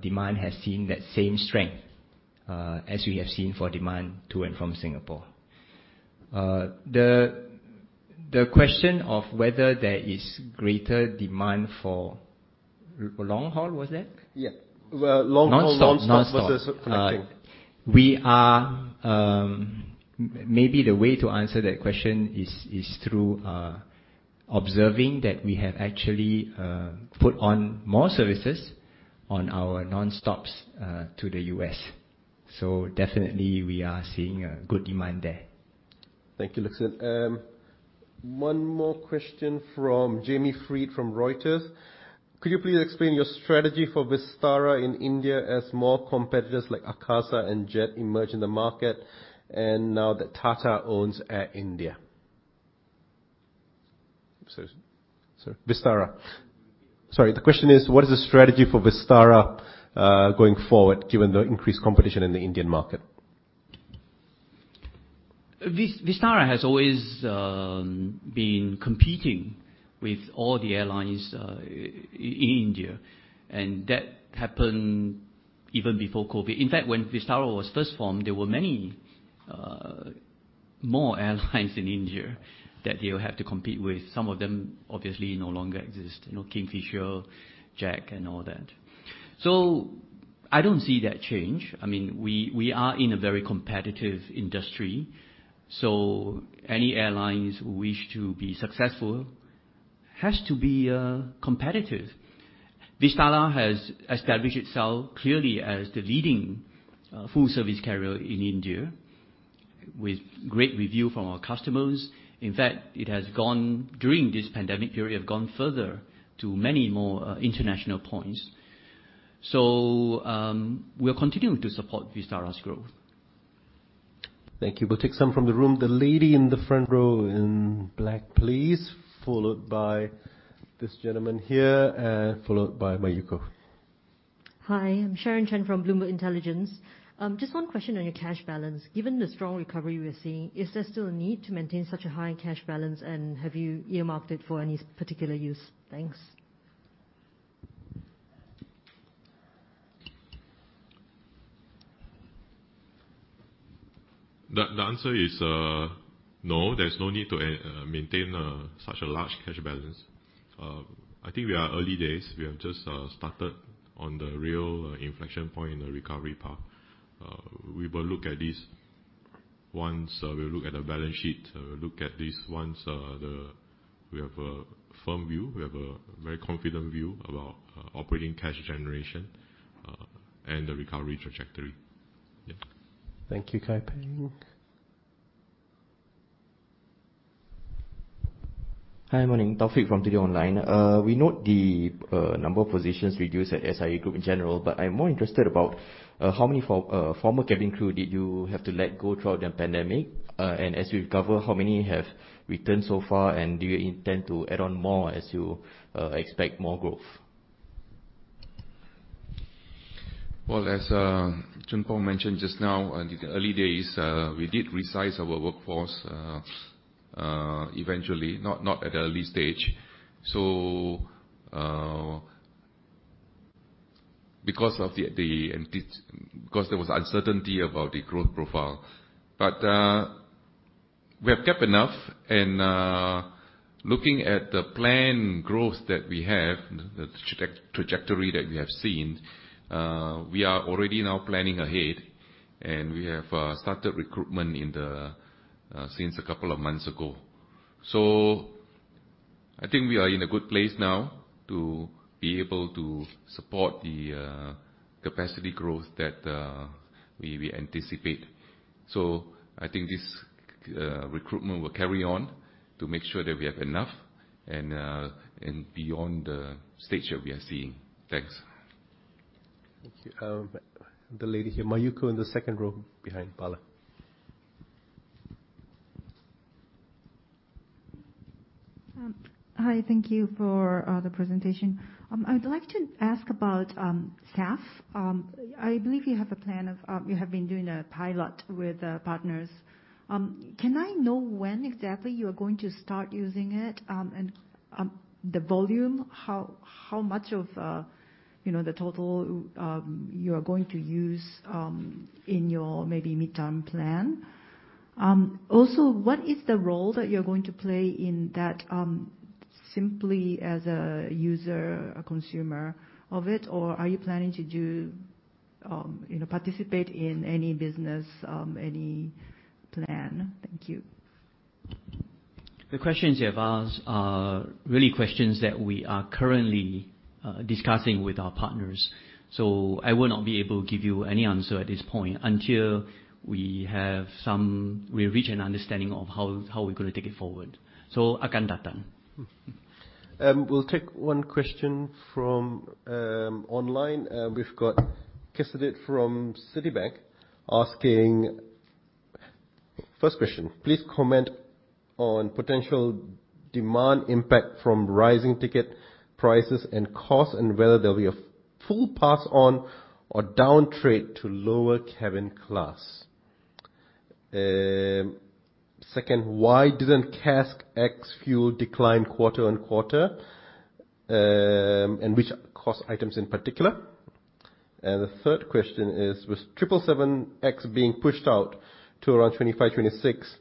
demand has seen that same strength as we have seen for demand to and from Singapore. The question of whether there is greater demand for long-haul, was it? Yeah. Well, long-haul. Nonstop. Nonstop versus connecting. Maybe the way to answer that question is through observing that we have actually put on more services on our nonstops to the U.S. Definitely, we are seeing a good demand there. Thank you, Lik Hsin. One more question from Jamie Freed from Reuters. Could you please explain your strategy for Vistara in India as more competitors like Akasa and Jet emerge in the market, and now that Tata owns Air India? Sorry, the question is, what is the strategy for Vistara going forward, given the increased competition in the Indian market? Vistara has always been competing with all the airlines in India, and that happened even before COVID. In fact, when Vistara was first formed, there were many more airlines in India that you had to compete with. Some of them obviously no longer exist, you know, Kingfisher, Jet and all that. I don't see that change. I mean, we are in a very competitive industry, so any airlines who wish to be successful has to be competitive. Vistara has established itself clearly as the leading full service carrier in India with great review from our customers. In fact, it has gone further during this pandemic period to many more international points. We're continuing to support Vistara's growth. Thank you. We'll take some from the room. The lady in the front row in black, please. Followed by this gentleman here, and followed by Mayuko. Hi, I'm Sharon Chen from Bloomberg Intelligence. Just one question on your cash balance. Given the strong recovery we're seeing, is there still a need to maintain such a high cash balance and have you earmarked it for any particular use? Thanks. The answer is no, there's no need to maintain such a large cash balance. I think we are early days. We have just started on the real inflection point in the recovery path. We will look at this once we look at the balance sheet. We have a firm view, we have a very confident view about operating cash generation and the recovery trajectory. Yeah. Thank you, Kai Ping. Hi, morning. Taufiq from The Edge Online. We note the number of positions reduced at SIA Group in general, but I'm more interested about how many former cabin crew did you have to let go throughout the pandemic? As we recover, how many have returned so far, and do you intend to add on more as you expect more growth? As Goh Choon Phong mentioned just now, in the early days, we did resize our workforce eventually, not at the early stage. Because there was uncertainty about the growth profile. We have kept enough. Looking at the planned growth that we have, the trajectory that we have seen, we are already now planning ahead and we have started recruitment since a couple of months ago. I think we are in a good place now to be able to support the capacity growth that we anticipate. I think this recruitment will carry on to make sure that we have enough and beyond the stage that we are seeing. Thanks. Thank you. The lady here, Mayuko, in the second row behind Bala. Hi, thank you for the presentation. I would like to ask about staff. I believe you have been doing a pilot with partners. Can I know when exactly you are going to start using it, and the volume, how much of, you know, the total, you are going to use, in your maybe midterm plan? Also, what is the role that you're going to play in that, simply as a user, a consumer of it, or are you planning to do, you know, participate in any business, any plan? Thank you. The questions you have asked are really questions that we are currently discussing with our partners, so I will not be able to give you any answer at this point until we reach an understanding of how we're gonna take it forward, so. We'll take one question from online. We've got Kaseedit Choonnawat from Citibank asking. First question. Please comment on potential demand impact from rising ticket prices and cost, and whether there'll be a full pass on or down trade to lower cabin class. Second, why didn't CASK ex fuel decline quarter-on-quarter? And which cost items in particular? The third question is, with 777X being pushed out to around 2025, 2026,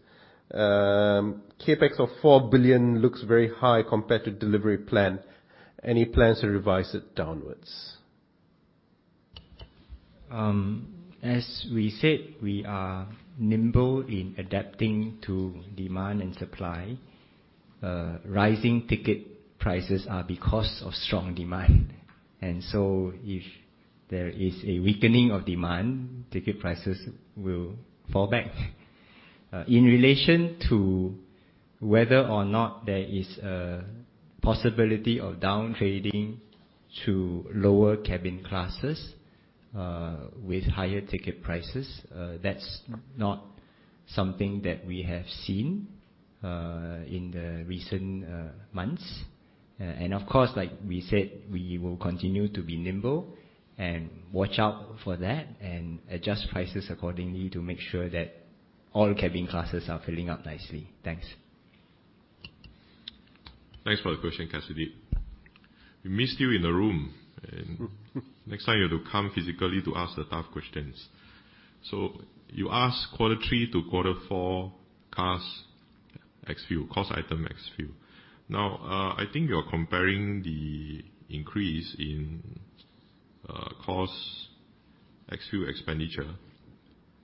CapEx of 4 billion looks very high compared to delivery plan. Any plans to revise it downwards? As we said, we are nimble in adapting to demand and supply. Rising ticket prices are because of strong demand. If there is a weakening of demand, ticket prices will fall back. In relation to whether or not there is a possibility of down trading to lower cabin classes with higher ticket prices, that's not something that we have seen in the recent months. Of course, like we said, we will continue to be nimble and watch out for that and adjust prices accordingly to make sure that all cabin classes are filling up nicely. Thanks. Thanks for the question, Kaseedit. We missed you in the room. Next time you have to come physically to ask the tough questions. You asked quarter three to quarter four CASK ex fuel, cost item ex fuel. Now, I think you're comparing the increase in, cost ex fuel expenditure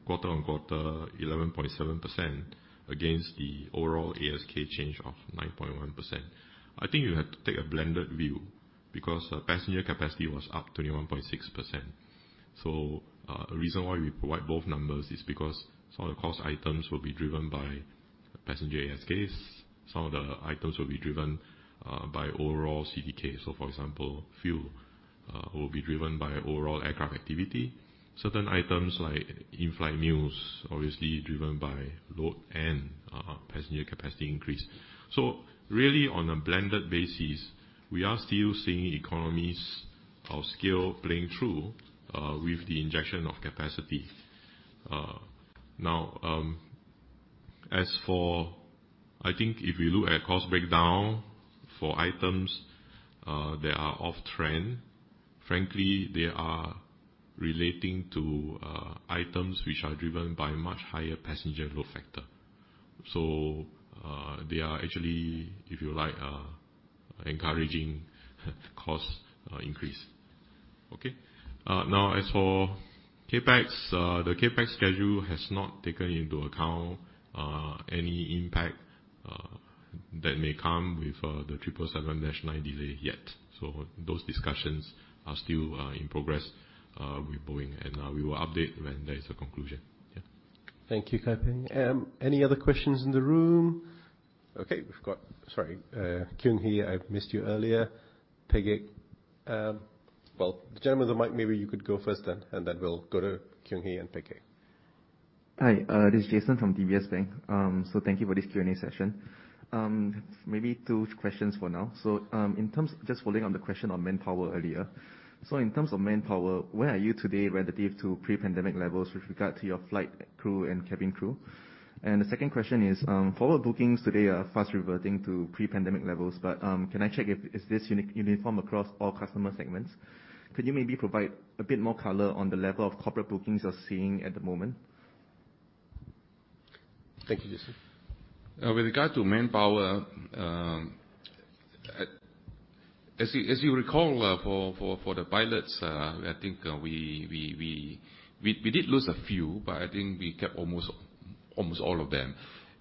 quarter on quarter 11.7% against the overall ASK change of 9.1%. I think you have to take a blended view because, passenger capacity was up 21.6%. The reason why we provide both numbers is because some of the cost items will be driven by passenger ASKs. Some of the items will be driven by overall CTK. For example, fuel will be driven by overall aircraft activity. Certain items like in-flight meals, obviously driven by load and passenger capacity increase. Really, on a blended basis, we are still seeing economies of scale playing through, with the injection of capacity. I think if you look at cost breakdown for items that are off trend, frankly, they are relating to items which are driven by much higher passenger load factor. They are actually, if you like, encouraging cost increase. Okay? As for CapEx, the CapEx schedule has not taken into account any impact that may come with the 777-9 delay yet. Those discussions are still in progress with Boeing, and we will update when there is a conclusion. Yeah. Thank you, Kai Ping. Any other questions in the room? Okay, we've got. Sorry, Kyunghee, I missed you earlier. Peik. Well, the gentleman with the mic, maybe you could go first then, and then we'll go to Kyunghee and Peik. Hi, this is Jason from DBS Bank. Thank you for this Q&A session. Maybe two questions for now. Just following on the question on manpower earlier. In terms of manpower, where are you today relative to pre-pandemic levels with regard to your flight crew and cabin crew? The second question is, forward bookings today are fast reverting to pre-pandemic levels. Can I check if this is uniform across all customer segments? Could you maybe provide a bit more color on the level of corporate bookings you're seeing at the moment? Thank you, Jason. With regard to manpower, as you recall, for the pilots, I think we did lose a few, but I think we kept almost all of them.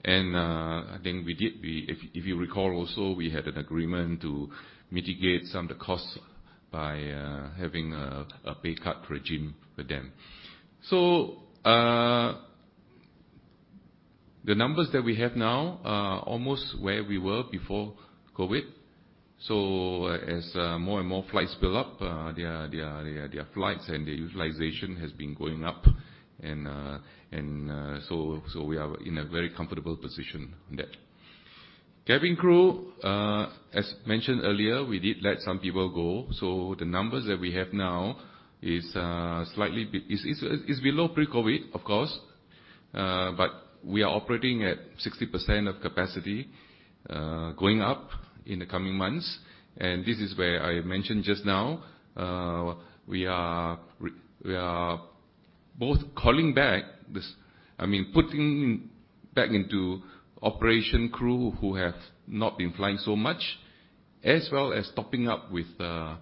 If you recall also, we had an agreement to mitigate some of the costs by having a pay cut regime for them. The numbers that we have now are almost where we were before COVID. As more and more flights fill up, their flights and the utilization has been going up, so we are in a very comfortable position on that. Cabin crew, as mentioned earlier, we did let some people go. The numbers that we have now is slightly below pre-COVID, of course. We are operating at 60% of capacity, going up in the coming months. This is where I mentioned just now, we are both, I mean, putting back into operation crew who have not been flying so much, as well as topping up with crew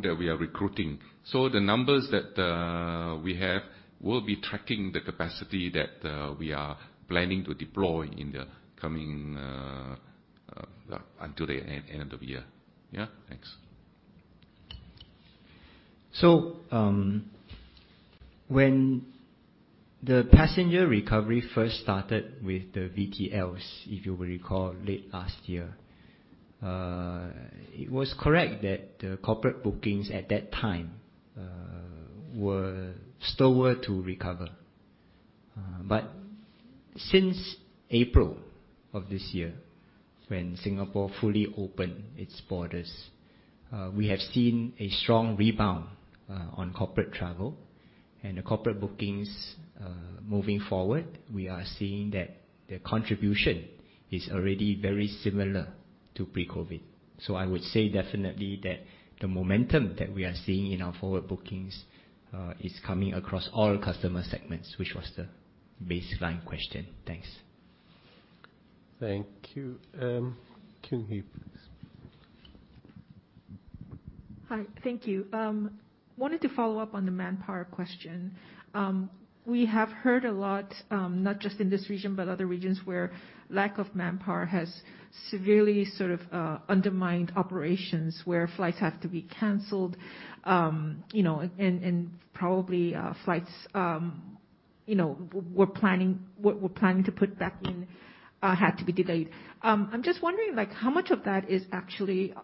that we are recruiting. The numbers that we have will be tracking the capacity that we are planning to deploy in the coming until the end of the year. Yeah. Thanks. When the passenger recovery first started with the VTLs, if you recall, late last year, it was correct that the corporate bookings at that time were slower to recover. Since April of this year, when Singapore fully opened its borders, we have seen a strong rebound on corporate travel and the corporate bookings moving forward. We are seeing that the contribution is already very similar to pre-COVID. I would say definitely that the momentum that we are seeing in our forward bookings is coming across all customer segments, which was the baseline question. Thanks. Thank you. [Qinyi], please. Hi. Thank you. Wanted to follow up on the manpower question. We have heard a lot, not just in this region, but other regions, where lack of manpower has severely sort of undermined operations, where flights have to be canceled. You know, and, probably, flights, you know, we're planning to put back in, had to be delayed. I'm just wondering, like, how much of that is actually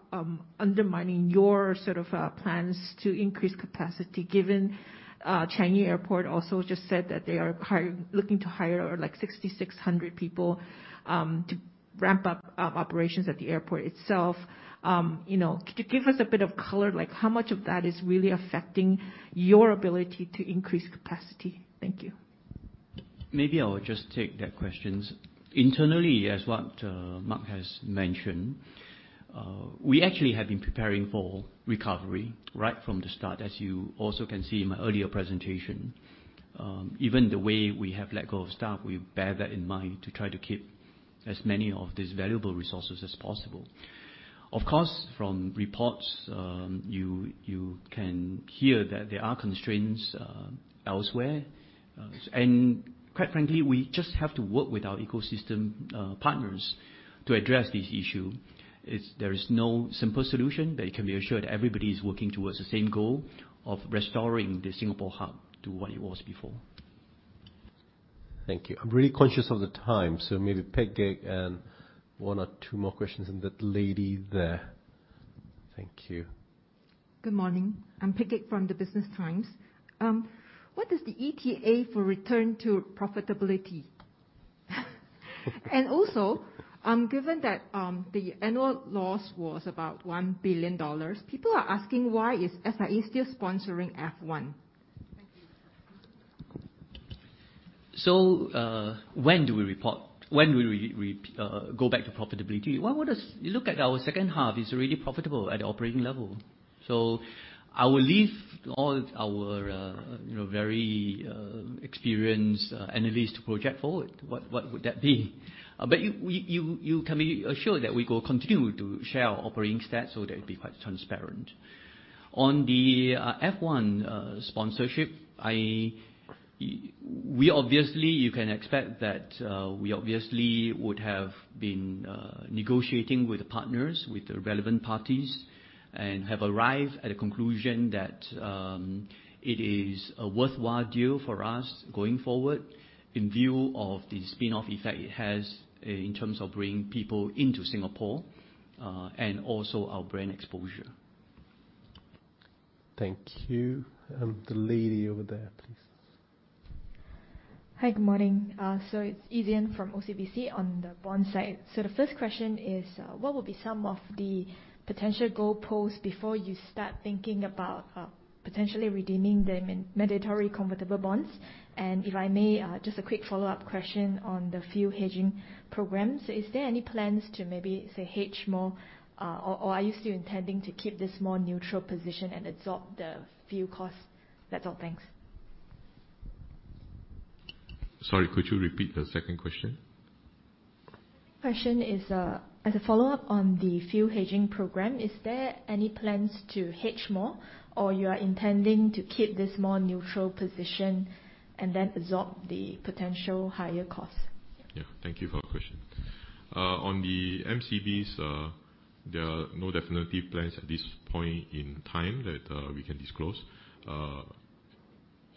undermining your sort of plans to increase capacity, given Changi Airport also just said that they are looking to hire like 6,600 people, to ramp up operations at the airport itself. You know, could you give us a bit of color, like how much of that is really affecting your ability to increase capacity? Thank you. Maybe I will just take that question. Internally, as Mak Swee Wah has mentioned, we actually have been preparing for recovery right from the start, as you also can see in my earlier presentation. Even the way we have let go of staff, we bear that in mind to try to keep as many of these valuable resources as possible. Of course, from reports, you can hear that there are constraints elsewhere. Quite frankly, we just have to work with our ecosystem partners to address this issue. There is no simple solution, but you can be assured everybody is working towards the same goal of restoring the Singapore hub to what it was before. Thank you. I'm really conscious of the time, so maybe Peggy and one or two more questions, and that lady there. Thank you. Good morning. I'm Peggy from The Business Times. What is the ETA for return to profitability? Given that the annual loss was about 1 billion dollars, people are asking why is SIA still sponsoring F1? Thank you. When do we go back to profitability? Well, look at our second half, it's already profitable at operating level. I will leave all our, you know, very experienced analysts to project forward what would that be. You can be assured that we will continue to share our operating stats so that it'd be quite transparent. On the F1 sponsorship, we obviously, you can expect that we obviously would have been negotiating with the partners, with the relevant parties, and have arrived at a conclusion that it is a worthwhile deal for us going forward in view of the spin-off effect it has in terms of bringing people into Singapore and also our brand exposure. Thank you. The lady over there, please. Hi. Good morning. It's Yi Zyan from OCBC on the bond side. The first question is, what will be some of the potential goalposts before you start thinking about potentially redeeming the Mandatory Convertible Bonds? If I may, just a quick follow-up question on the fuel hedging programs. Is there any plans to maybe, say, hedge more? Or are you still intending to keep this more neutral position and absorb the fuel costs? That's all. Thanks. Sorry, could you repeat the second question? Question is, as a follow-up on the fuel hedging program, is there any plans to hedge more, or you are intending to keep this more neutral position and then absorb the potential higher costs? Yeah. Thank you for your question. On the MCBs, there are no definitive plans at this point in time that we can disclose.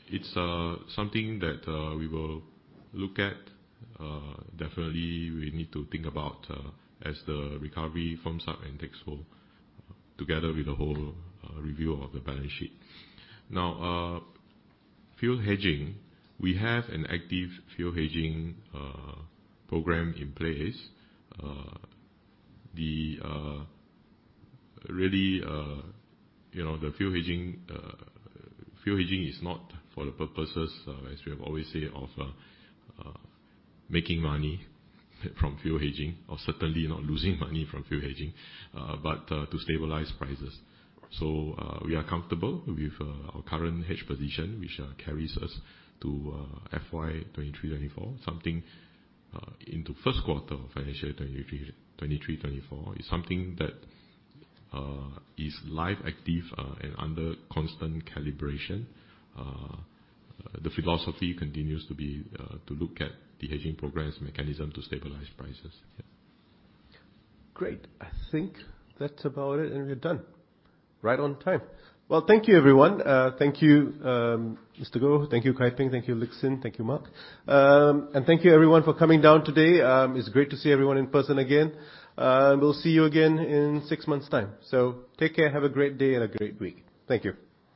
It's something that we will look at. Definitely we need to think about as the recovery firms up and takes hold, together with the whole review of the balance sheet. Now, fuel hedging, we have an active fuel hedging program in place. You know, the fuel hedging is not for the purposes as we have always say, of making money from fuel hedging or certainly not losing money from fuel hedging, but to stabilize prices. We are comfortable with our current hedge position, which carries us to FY 2023/2024, something into first quarter of financial 2023/2024. It's something that is live, active, and under constant calibration. The philosophy continues to be to look at the hedging programs mechanism to stabilize prices. Yeah. Great. I think that's about it, and we're done. Right on time. Well, thank you, everyone. Thank you, Mr. Goh Choon Phong. Thank you, Tan Kai Ping. Thank you, Lee Lik Hsin. Thank you, Mak Swee Wah. Thank you everyone for coming down today. It's great to see everyone in person again. We'll see you again in six months' time. So take care. Have a great day and a great week. Thank you.